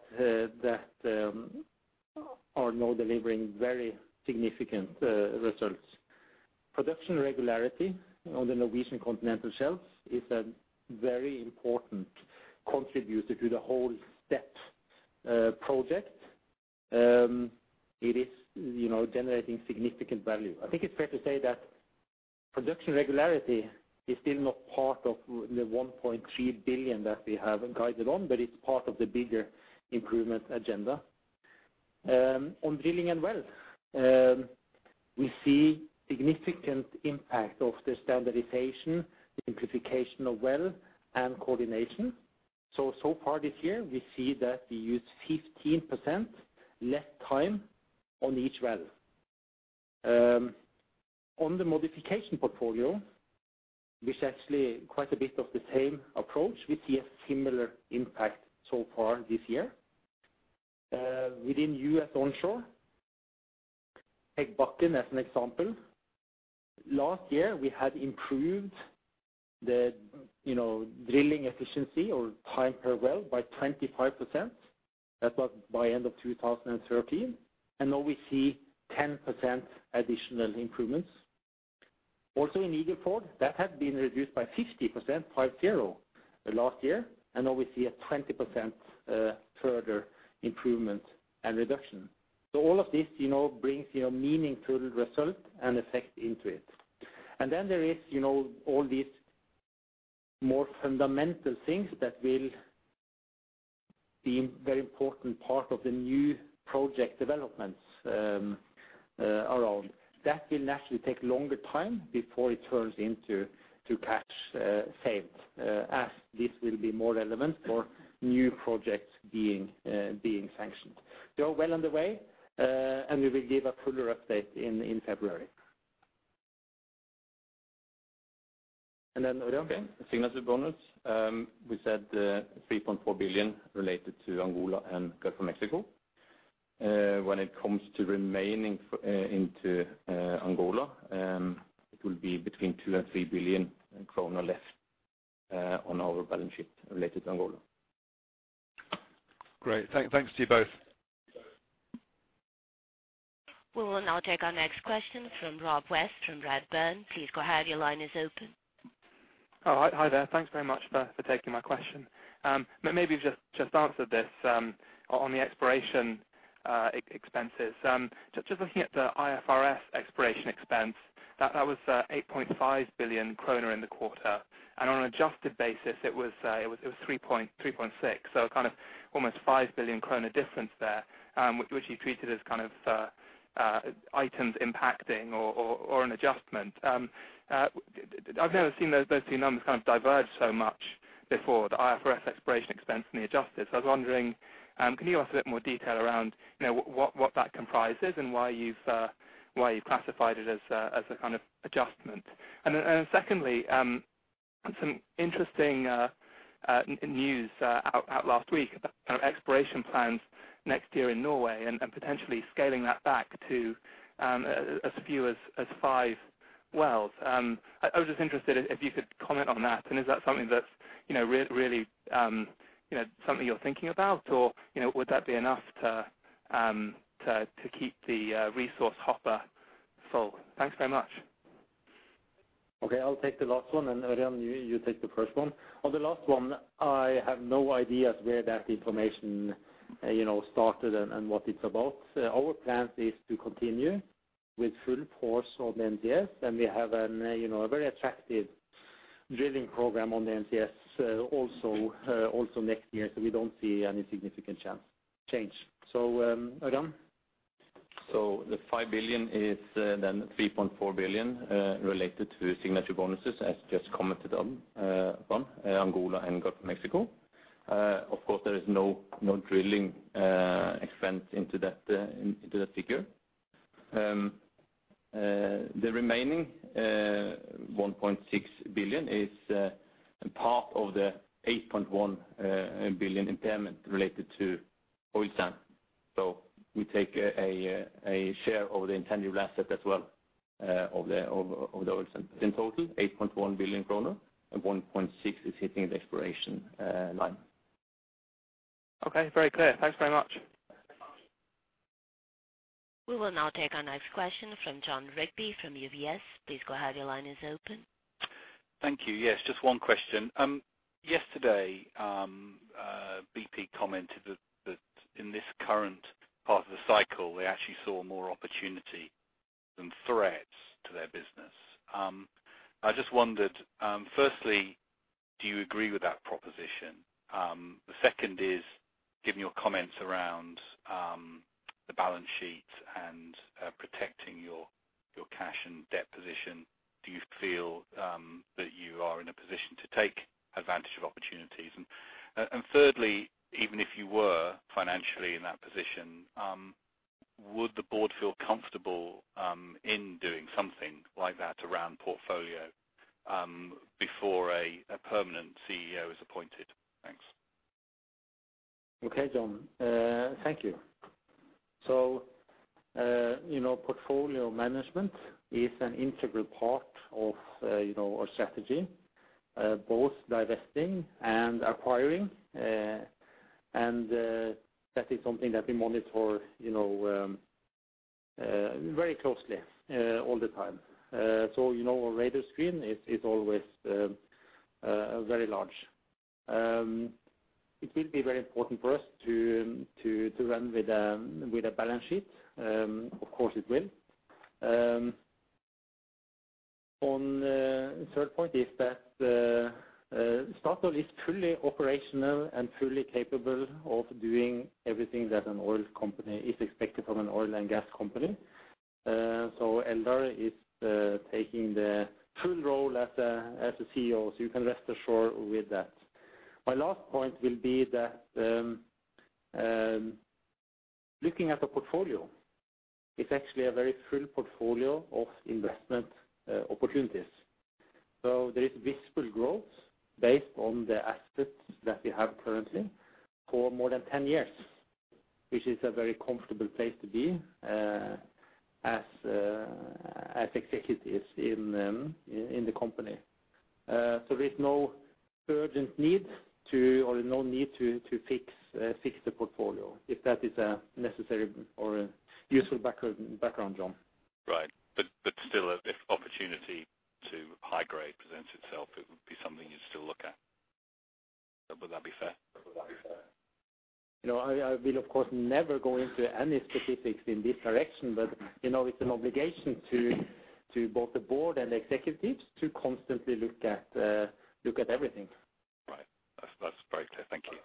are now delivering very significant results. Production regularity on the Norwegian continental shelves is a very important contributor to the whole step project. It is, you know, generating significant value. I think it's fair to say that production regularity is still not part of the 1.3 billion that we have guided on, but it's part of the bigger improvement agenda. On drilling and wells, we see significant impact of the standardization, the simplification of well and coordination. So far this year, we see that we use 15% less time on each well. On the modification portfolio, which actually quite a bit of the same approach, we see a similar impact so far this year. Within U.S. onshore, take Bakken as an example, last year, we had improved, you know, drilling efficiency or time per well by 25%. That was by end of 2013. Now we see 10% additional improvements. Also in Eagle Ford, that had been reduced by 50%, 50, last year, and now we see a 20% further improvement and reduction. All of this, you know, brings your meaningful result and effect into it. Then there is, you know, all these more fundamental things that will be very important part of the new project developments, around. That will naturally take longer time before it turns into to cash saved, as this will be more relevant for new projects being sanctioned. They are well underway, and we will give a fuller update in February. Then Ørjan. Signature bonus, we said, 3.4 billion related to Angola and Gulf of Mexico. When it comes to remaining in Angola, it will be between 2 billion and 3 billion kroner left on our balance sheet related to Angola. Great. Thanks to you both. We will now take our next question from Rob West from Redburn. Please go ahead. Your line is open. Oh, hi. Hi there. Thanks very much for taking my question. Maybe you've just answered this on the exploration expenses. Just looking at the IFRS exploration expense, that was 8.5 billion kroner in the quarter. On an adjusted basis, it was 3.6, so kind of almost 5 billion kroner difference there, which you treated as kind of items impacting or an adjustment. I've never seen those two numbers kind of diverge so much before, the IFRS exploration expense and the adjusted. I was wondering, can you offer a bit more detail around, you know, what that comprises and why you've classified it as a kind of adjustment? Second, some interesting news out last week about kind of exploration plans next year in Norway and potentially scaling that back to as few as five wells. I was just interested if you could comment on that. Is that something that's, you know, really, you know, something you're thinking about? Or, you know, would that be enough to keep the resource hopper full? Thanks very much. Okay, I'll take the last one, and Ørjan, you take the first one. On the last one, I have no idea where that information, you know, started and what it's about. Our plan is to continue with full force on the NCS, and we have an, you know, a very attractive drilling program on the NCS, also next year. We don't see any significant change. Ørjan? The 5 billion is then 3.4 billion related to signature bonuses, as just commented on Angola and Gulf of Mexico. Of course, there is no drilling expense into that figure. The remaining 1.6 billion is part of the 8.1 billion impairment related to oil sand. We take a share of the intangible asset as well, of the oil sand. In total, 8.1 billion kroner, and 1.6 is hitting the exploration line. Okay. Very clear. Thanks very much. We will now take our next question from Jon Rigby from UBS. Please go ahead. Your line is open. Thank you. Yes, just one question. Yesterday, BP commented that in this current part of the cycle, they actually saw more opportunity than threats to their business. I just wondered, firstly do you agree with that proposition? The second is giving your comments around the balance sheet and protecting your cash and debt position. Do you feel that you are in a position to take advantage of opportunities? Thirdly, even if you were financially in that position, would the board feel comfortable in doing something like that around portfolio before a permanent CEO is appointed? Thanks. Okay, Jon. Thank you. You know, portfolio management is an integral part of, you know, our strategy, both divesting and acquiring. That is something that we monitor, you know, very closely, all the time. You know, our radar screen is always very large. It will be very important for us to run with a balance sheet. Of course it will. On the third point is that Statoil is fully operational and fully capable of doing everything that an oil company is expected from an oil and gas company. Eldar is taking the full role as a CEO, so you can rest assured with that. My last point will be that, looking at the portfolio, it's actually a very full portfolio of investment opportunities. There is visible growth based on the assets that we have currently for more than 10 years, which is a very comfortable place to be, as executives in the company. There's no urgent need to fix the portfolio if that is a necessary or useful background, Jon. Right. Still, if opportunity to high grade presents itself, it would be something you'd still look at. Would that be fair? You know, I will of course never go into any specifics in this direction, but you know, it's an obligation to both the board and executives to constantly look at everything. Right. That, that's very clear. Thank you.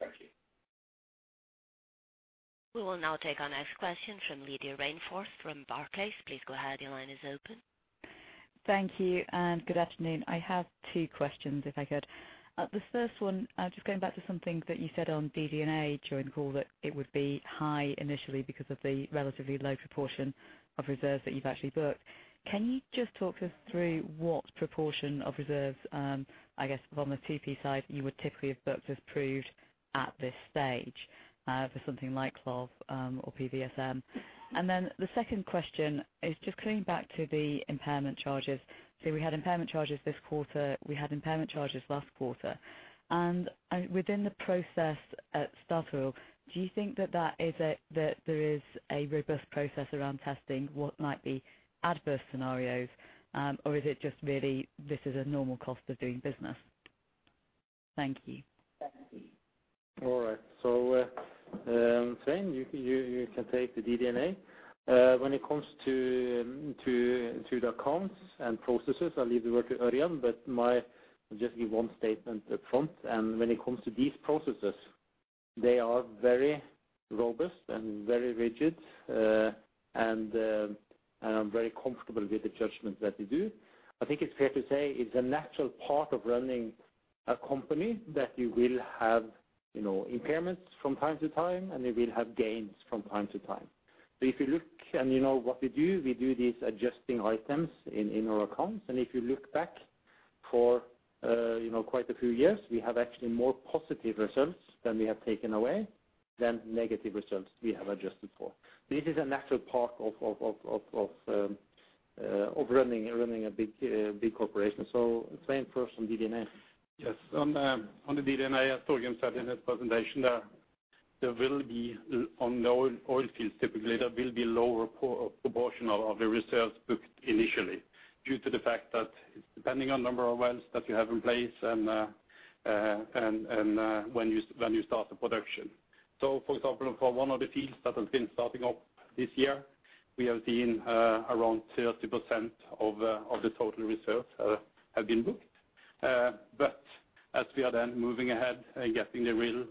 Thank you. We will now take our next question from Lydia Rainforth from Barclays. Please go ahead. Your line is open. Thank you and good afternoon. I have two questions, if I could. This first one, just going back to something that you said on DD&A during the call that it would be high initially because of the relatively low proportion of reserves that you've actually booked. Can you just talk us through what proportion of reserves, I guess from the TP side, you would typically have booked as proved at this stage, for something like CLOV or PSVM? Then the second question is just coming back to the impairment charges. We had impairment charges this quarter, we had impairment charges last quarter. Within the process at Statoil, do you think that there is a robust process around testing what might be adverse scenarios? Or is it just really this is a normal cost of doing business? Thank you. All right. Svein, you can take the DD&A. When it comes to the accounts and processes, I'll leave the work to Ørjan, but just give one statement up front. When it comes to these processes, they are very robust and very rigid, and I'm very comfortable with the judgment that they do. I think it's fair to say it's a natural part of running a company that you will have, you know, impairments from time to time, and you will have gains from time to time. If you look and you know what we do, we do these adjusting items in our accounts. If you look back for, you know, quite a few years, we have actually more positive results than we have taken away than negative results we have adjusted for. This is a natural part of running a big corporation. Svein first on DD&A. Yes. On the DD&A, as Ørjan said in his presentation, there will be on the oil fields, typically, there will be lower proportion of the reserves booked initially due to the fact that depending on number of wells that you have in place and when you start the production. For example, for one of the fields that has been starting up this year, we have seen around 30% of the total reserves have been booked. As we are then moving ahead and getting the real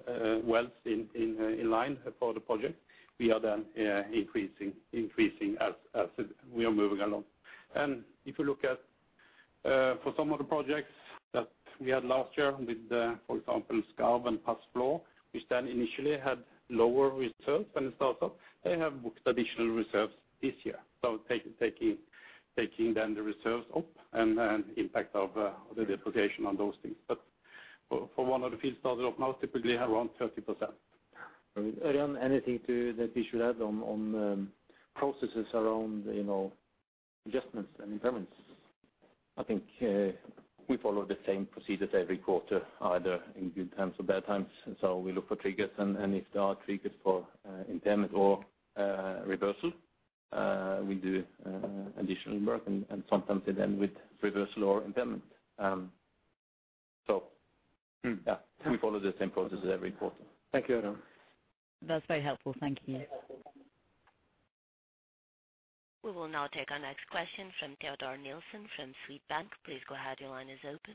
wells in line for the project, we are then increasing as we are moving along. If you look at for some of the projects that we had last year with, for example, Skarv and Fram H-Nord, which then initially had lower reserves when it started, they have booked additional reserves this year. Taking then the reserves up and impact of the depreciation on those things. For one of the fields started up now typically have around 30%. Ørjan, anything that we should add on processes around, you know, adjustments and impairments? I think, we follow the same procedures every quarter, either in good times or bad times. We look for triggers and, if there are triggers for impairment or reversal, we do additional work and sometimes it end with reversal or impairment. Yeah, we follow the same processes every quarter. Thank you, Ørjan. That's very helpful. Thank you. We will now take our next question from Teodor Nilsen from Swedbank. Please go ahead. Your line is open.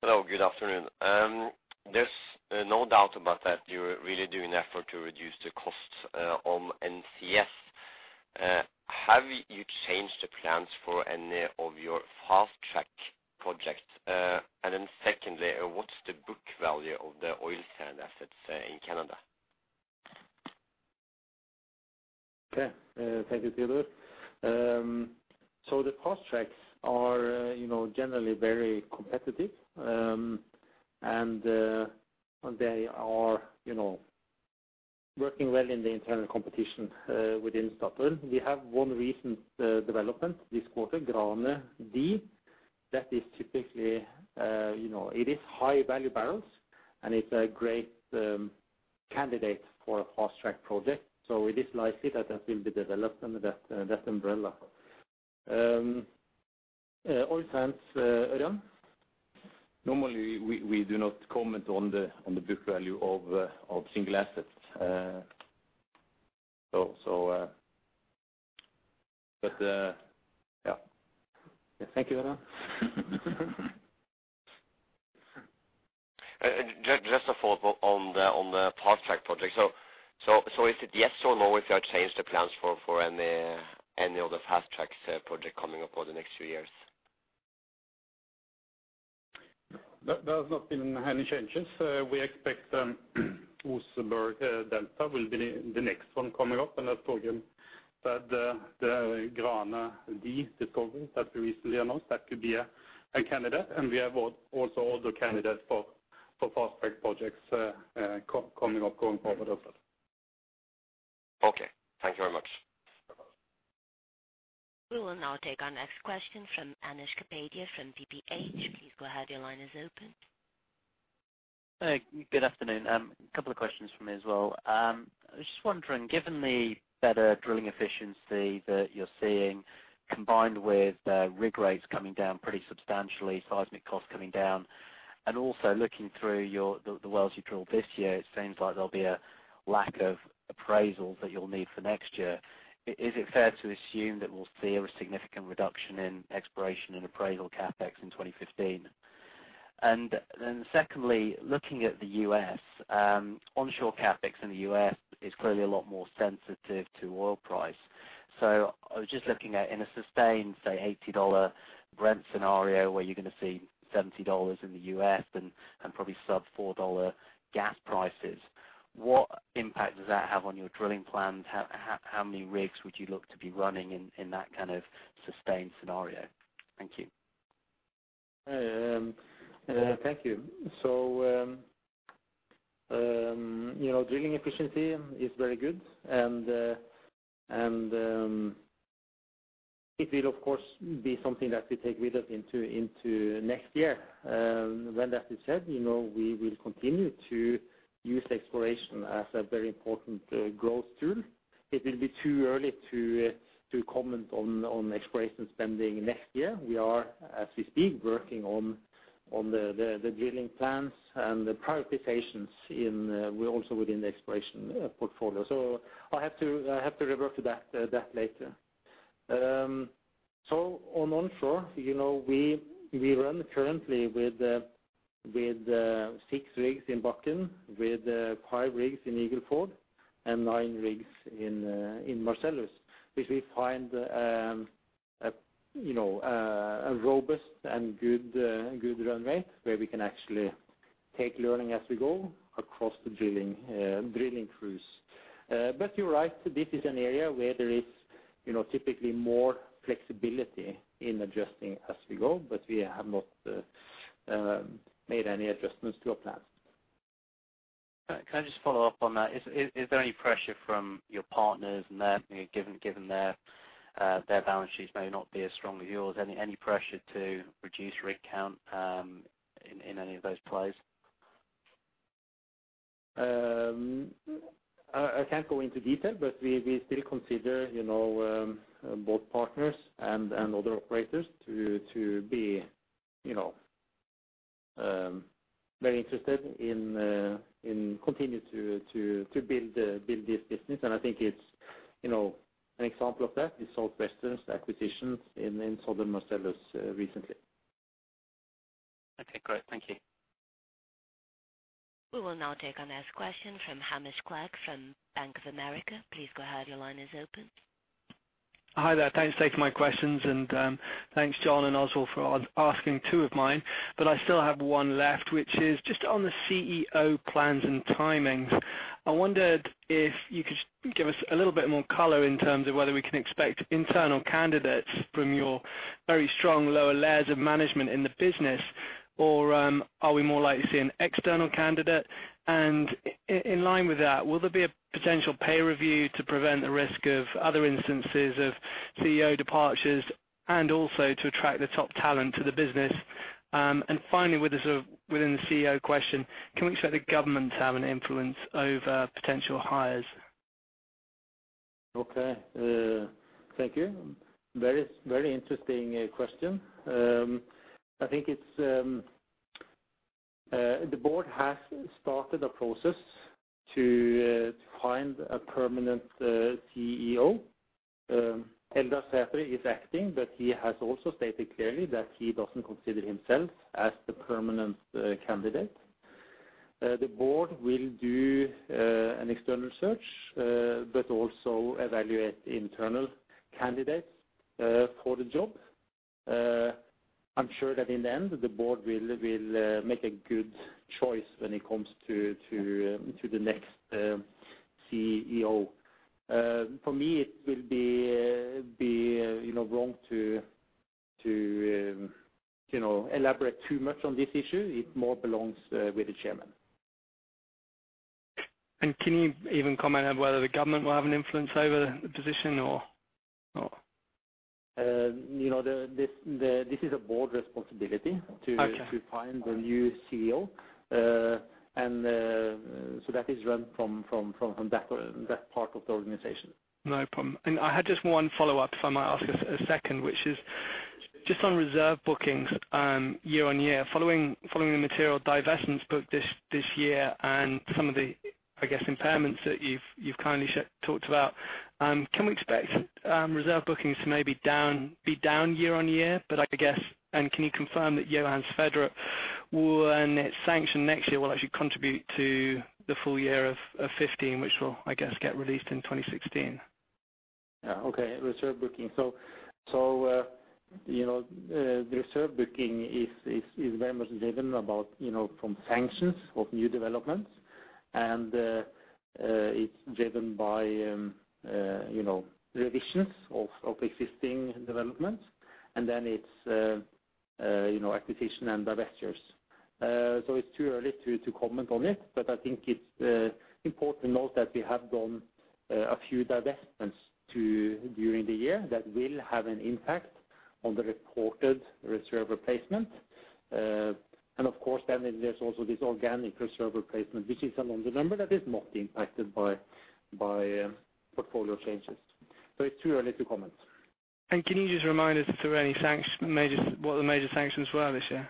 Hello, good afternoon. There's no doubt about that you're really doing effort to reduce the costs on NCS. Have you changed the plans for any of your fast-track projects? Secondly, what's the book value of the oil sand assets in Canada? Okay. Thank you, Teodor. The fast tracks are, you know, generally very competitive. They are, you know, working well in the internal competition within Statoil. We have one recent development this quarter, Grane Sør, that is typically, you know, it is high-value barrels, and it's a great candidate for a fast-track project. It is likely that that will be developed under that umbrella. Oil sands, Ørjan. Normally we do not comment on the book value of single assets. Yeah. Thank you, Ørjan. Just a follow-up on the fast-track project. Is it yes or no if you have changed the plans for any of the fast-track project coming up over the next few years? There has not been any changes. We expect Oseberg Delta will be the next one coming up. As Torgrim said, the Grane Sør discovery that we recently announced, that could be a candidate. We have also other candidates for fast-track projects coming up going forward also. Okay. Thank you very much. Bye-bye. We will now take our next question from Anish Kapadia from TPH. Please go ahead. Your line is open. Hey, good afternoon. A couple of questions from me as well. I was just wondering, given the better drilling efficiency that you're seeing combined with rig rates coming down pretty substantially, seismic costs coming down, and also looking through your the wells you drilled this year, it seems like there'll be a lack of appraisals that you'll need for next year. Is it fair to assume that we'll see a significant reduction in exploration and appraisal CapEx in 2015? And then secondly, looking at the U.S., onshore CapEx in the US is clearly a lot more sensitive to oil price. So I was just looking at, in a sustained, say, $80 Brent scenario where you're gonna see $70 in the U.S. and probably sub-$4 gas prices, what impact does that have on your drilling plans? How many rigs would you look to be running in that kind of sustained scenario? Thank you. Thank you. You know, drilling efficiency is very good. It will of course be something that we take with us into next year. When that is said, you know, we will continue to use exploration as a very important growth tool. It will be too early to comment on exploration spending next year. We are, as we speak, working on the drilling plans and the prioritizations in also within the exploration portfolio. I have to revert to that later. On onshore, you know, we run currently with 6 rigs in Bakken, with five rigs in Eagle Ford, and nine rigs in Marcellus, which we find a robust and good run rate where we can actually take learning as we go across the drilling crews. But you're right, this is an area where there is, you know, typically more flexibility in adjusting as we go, but we have not made any adjustments to our plans. Can I just follow up on that? Is there any pressure from your partners and their, you know, given their balance sheets may not be as strong as yours, any pressure to reduce rig count, in any of those plays? I can't go into detail, but we still consider, you know, both partners and other operators to be, you know, very interested in continuing to build this business. I think it's, you know, an example of that is Southwestern Energy's acquisitions in Southern Marcellus recently. Okay, great. Thank you. We will now take our next question from Hamish Clegg from Bank of America. Please go ahead. Your line is open. Hi there. Thanks for taking my questions, and thanks, Jon and Oswald for asking two of mine. I still have one left, which is just on the CEO plans and timings. I wondered if you could give us a little bit more color in terms of whether we can expect internal candidates from your very strong lower layers of management in the business, or are we more likely to see an external candidate? In line with that, will there be a potential pay review to prevent the risk of other instances of CEO departures and also to attract the top talent to the business? Finally, within the CEO question, can we expect the government to have an influence over potential hires? Okay. Thank you. Very, very interesting question. I think it's the board has started a process to find a permanent CEO. Eldar Sætre is acting, but he has also stated clearly that he doesn't consider himself as the permanent candidate. The board will do an external search, but also evaluate internal candidates for the job. I'm sure that in the end, the board will make a good choice when it comes to the next CEO. For me, it will be, you know, wrong to, you know, elaborate too much on this issue. It more belongs with the chairman. Can you even comment on whether the government will have an influence over the position or? You know, this is a board responsibility. Okay. To find a new CEO. That is run from that part of the organization. No problem. I had just one follow-up, if I might ask a second, which is just on reserve bookings, year on year, following the material divestments booked this year and some of the, I guess, impairments that you've kindly talked about. Can we expect reserve bookings to be down year on year? I guess, can you confirm that Johan Sverdrup will, when it's sanctioned next year, actually contribute to the full year of 2015, which will, I guess, get released in 2016? Yeah. Okay. Reserve booking. The reserve booking is very much driven by sanctions of new developments and it's driven by revisions of existing developments. Acquisition and divestitures. It's too early to comment on it, but I think it's important to note that we have done a few divestments too during the year that will have an impact on the reported reserve replacement. Of course then there's also this organic reserve replacement which is another number that is not impacted by portfolio changes. It's too early to comment. Can you just remind us if there were any major sanctions, what the major sanctions were this year?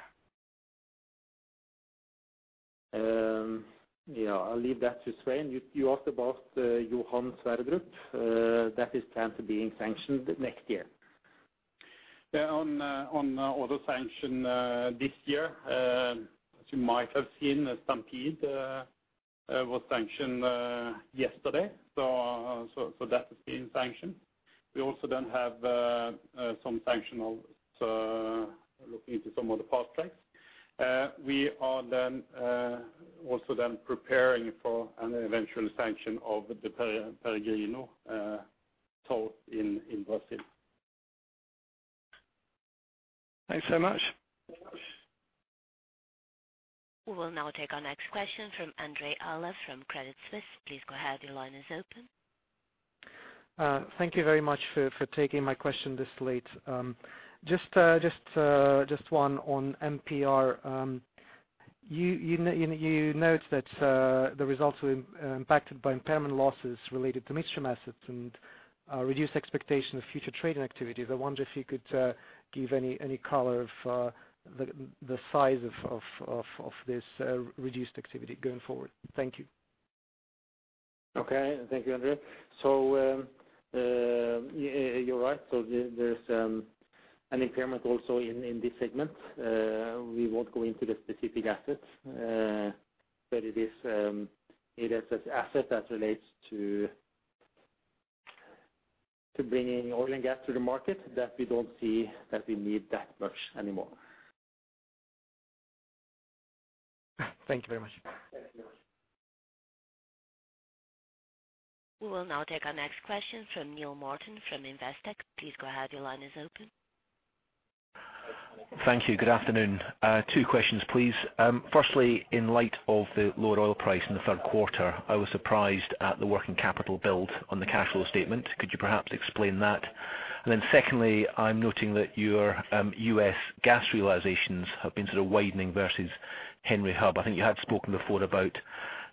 Yeah, I'll leave that to Svein. You asked about Johan Sverdrup. That is planned to being sanctioned next year. Yeah. On other sanction this year, as you might have seen, Stampede was sanctioned yesterday. That has been sanctioned. We also then have some sanction of looking into some of the fast tracks. We are then also then preparing for an eventual sanction of the Peregrino field in Brazil. Thanks so much. Of course. We will now take our next question from Andrey Aleev, from Credit Suisse. Please go ahead. Your line is open. Thank you very much for taking my question this late. Just one on MPR. You note that the results were impacted by impairment losses related to midstream assets and reduced expectation of future trading activities. I wonder if you could give any color on the size of this reduced activity going forward. Thank you. Okay. Thank you, Andre. Yeah, you're right. There's an impairment also in this segment. We won't go into the specific assets, but it is an asset that relates to bringing oil and gas to the market that we don't see that we need that much anymore. Thank you very much. Thank you. We will now take our next question from Neill Morton from Investec. Please go ahead. Your line is open. Thank you. Good afternoon. Two questions, please. Firstly, in light of the lower oil price in the third quarter, I was surprised at the working capital build on the cash flow statement. Could you perhaps explain that? Secondly, I'm noting that your U.S. Gas realizations have been sort of widening versus Henry Hub. I think you had spoken before about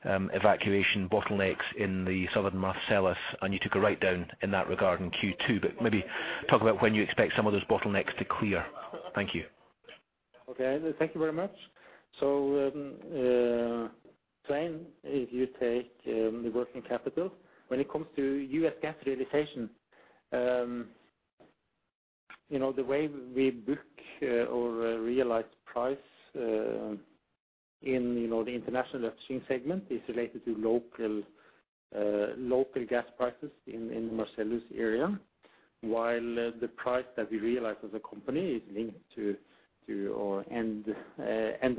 evacuation bottlenecks in the Southern Marcellus, and you took a write down in that regard in Q2. But maybe talk about when you expect some of those bottlenecks to clear. Thank you. Okay. Thank you very much. Svein, if you take the working capital. When it comes to U.S. gas realization, you know, the way we book or realize price in, you know, the international upstream segment is related to local gas prices in Marcellus area, while the price that we realize as a company is linked to our end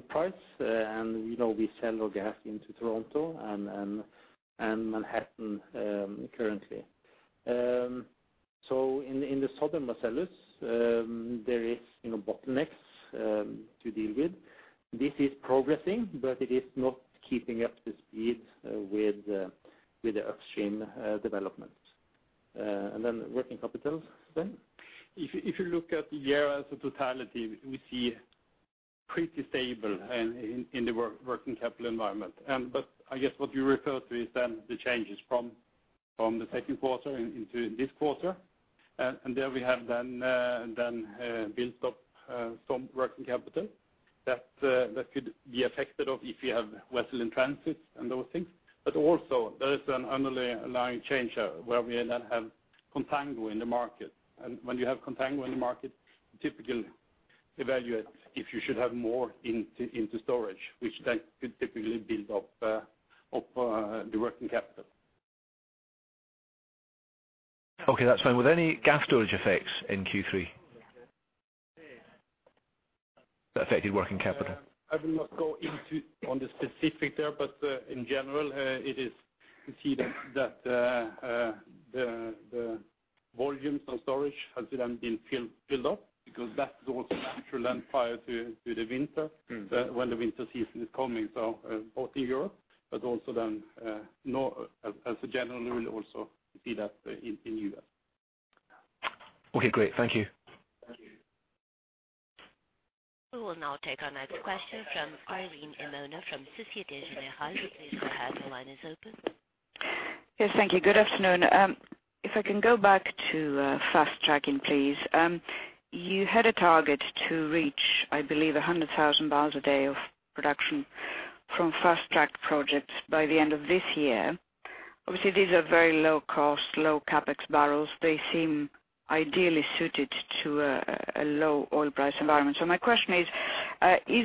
price. We know we sell our gas into Toronto and Manhattan currently. In the Southern Marcellus, there is, you know, bottlenecks to deal with. This is progressing, but it is not keeping up the speed with the upstream development. Then working capital, Svein? If you look at the year as a totality, we see pretty stable in the working capital environment. I guess what you refer to is then the changes from the second quarter into this quarter. There we have then built up some working capital that could be affected by if you have vessel in transit and those things. Also there is an underlying change where we then have contango in the market. When you have contango in the market, typically evaluate if you should have more into storage, which then could typically build up the working capital. Okay, that's fine. Were there any gas storage effects in Q3? That affected working capital. I will not go into the specifics there, but in general, you see that the volumes in storage has then been filled up because that goes to natural gas prior to the winter. When the winter season is coming. Both in Europe, but also then, as a general rule, also you see that, in U.S. Okay, great. Thank you. Thank you. We will now take our next question from Irene Himona from Société Générale. Please go ahead, your line is open. Yes, thank you. Good afternoon. If I can go back to fast tracking, please. You had a target to reach, I believe, 100,000 bpd of production from fast track projects by the end of this year. Obviously, these are very low cost, low CapEx barrels. They seem ideally suited to a low oil price environment. My question is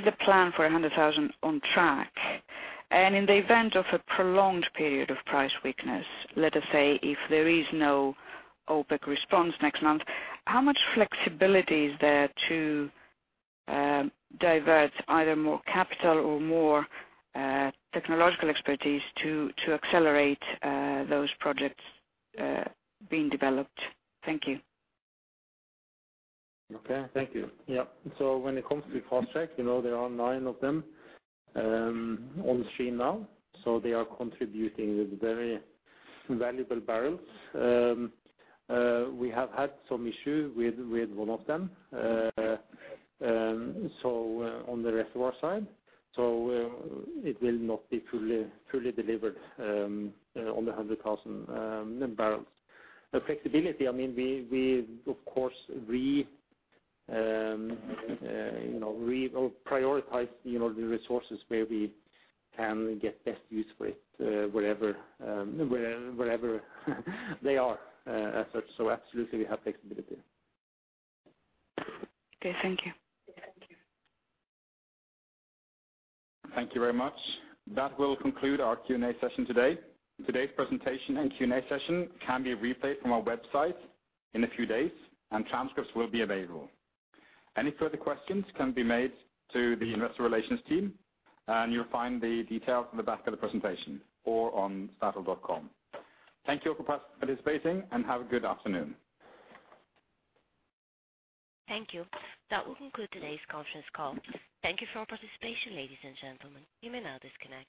the plan for 100,000 on track? And in the event of a prolonged period of price weakness, let us say if there is no OPEC response next month, how much flexibility is there to divert either more capital or more technological expertise to accelerate those projects being developed? Thank you. Okay, thank you. Yeah. When it comes to fast-track, you know, there are 9 of them on stream now. They are contributing with very valuable barrels. We have had some issue with one of them on the reservoir side. It will not be fully delivered on the 100 Mbbl. The flexibility, I mean, we of course you know we prioritize you know the resources where we can get best use for it wherever they are. As such, absolutely we have flexibility. Okay, thank you. Thank you. Thank you very much. That will conclude our Q&A session today. Today's presentation and Q&A session can be replayed from our website in a few days and transcripts will be available. Any further questions can be made to the investor relations team, and you'll find the details in the back of the presentation or on statoil.com. Thank you for participating and have a good afternoon. Thank you. That will conclude today's conference call. Thank you for your participation, ladies and gentlemen. You may now disconnect.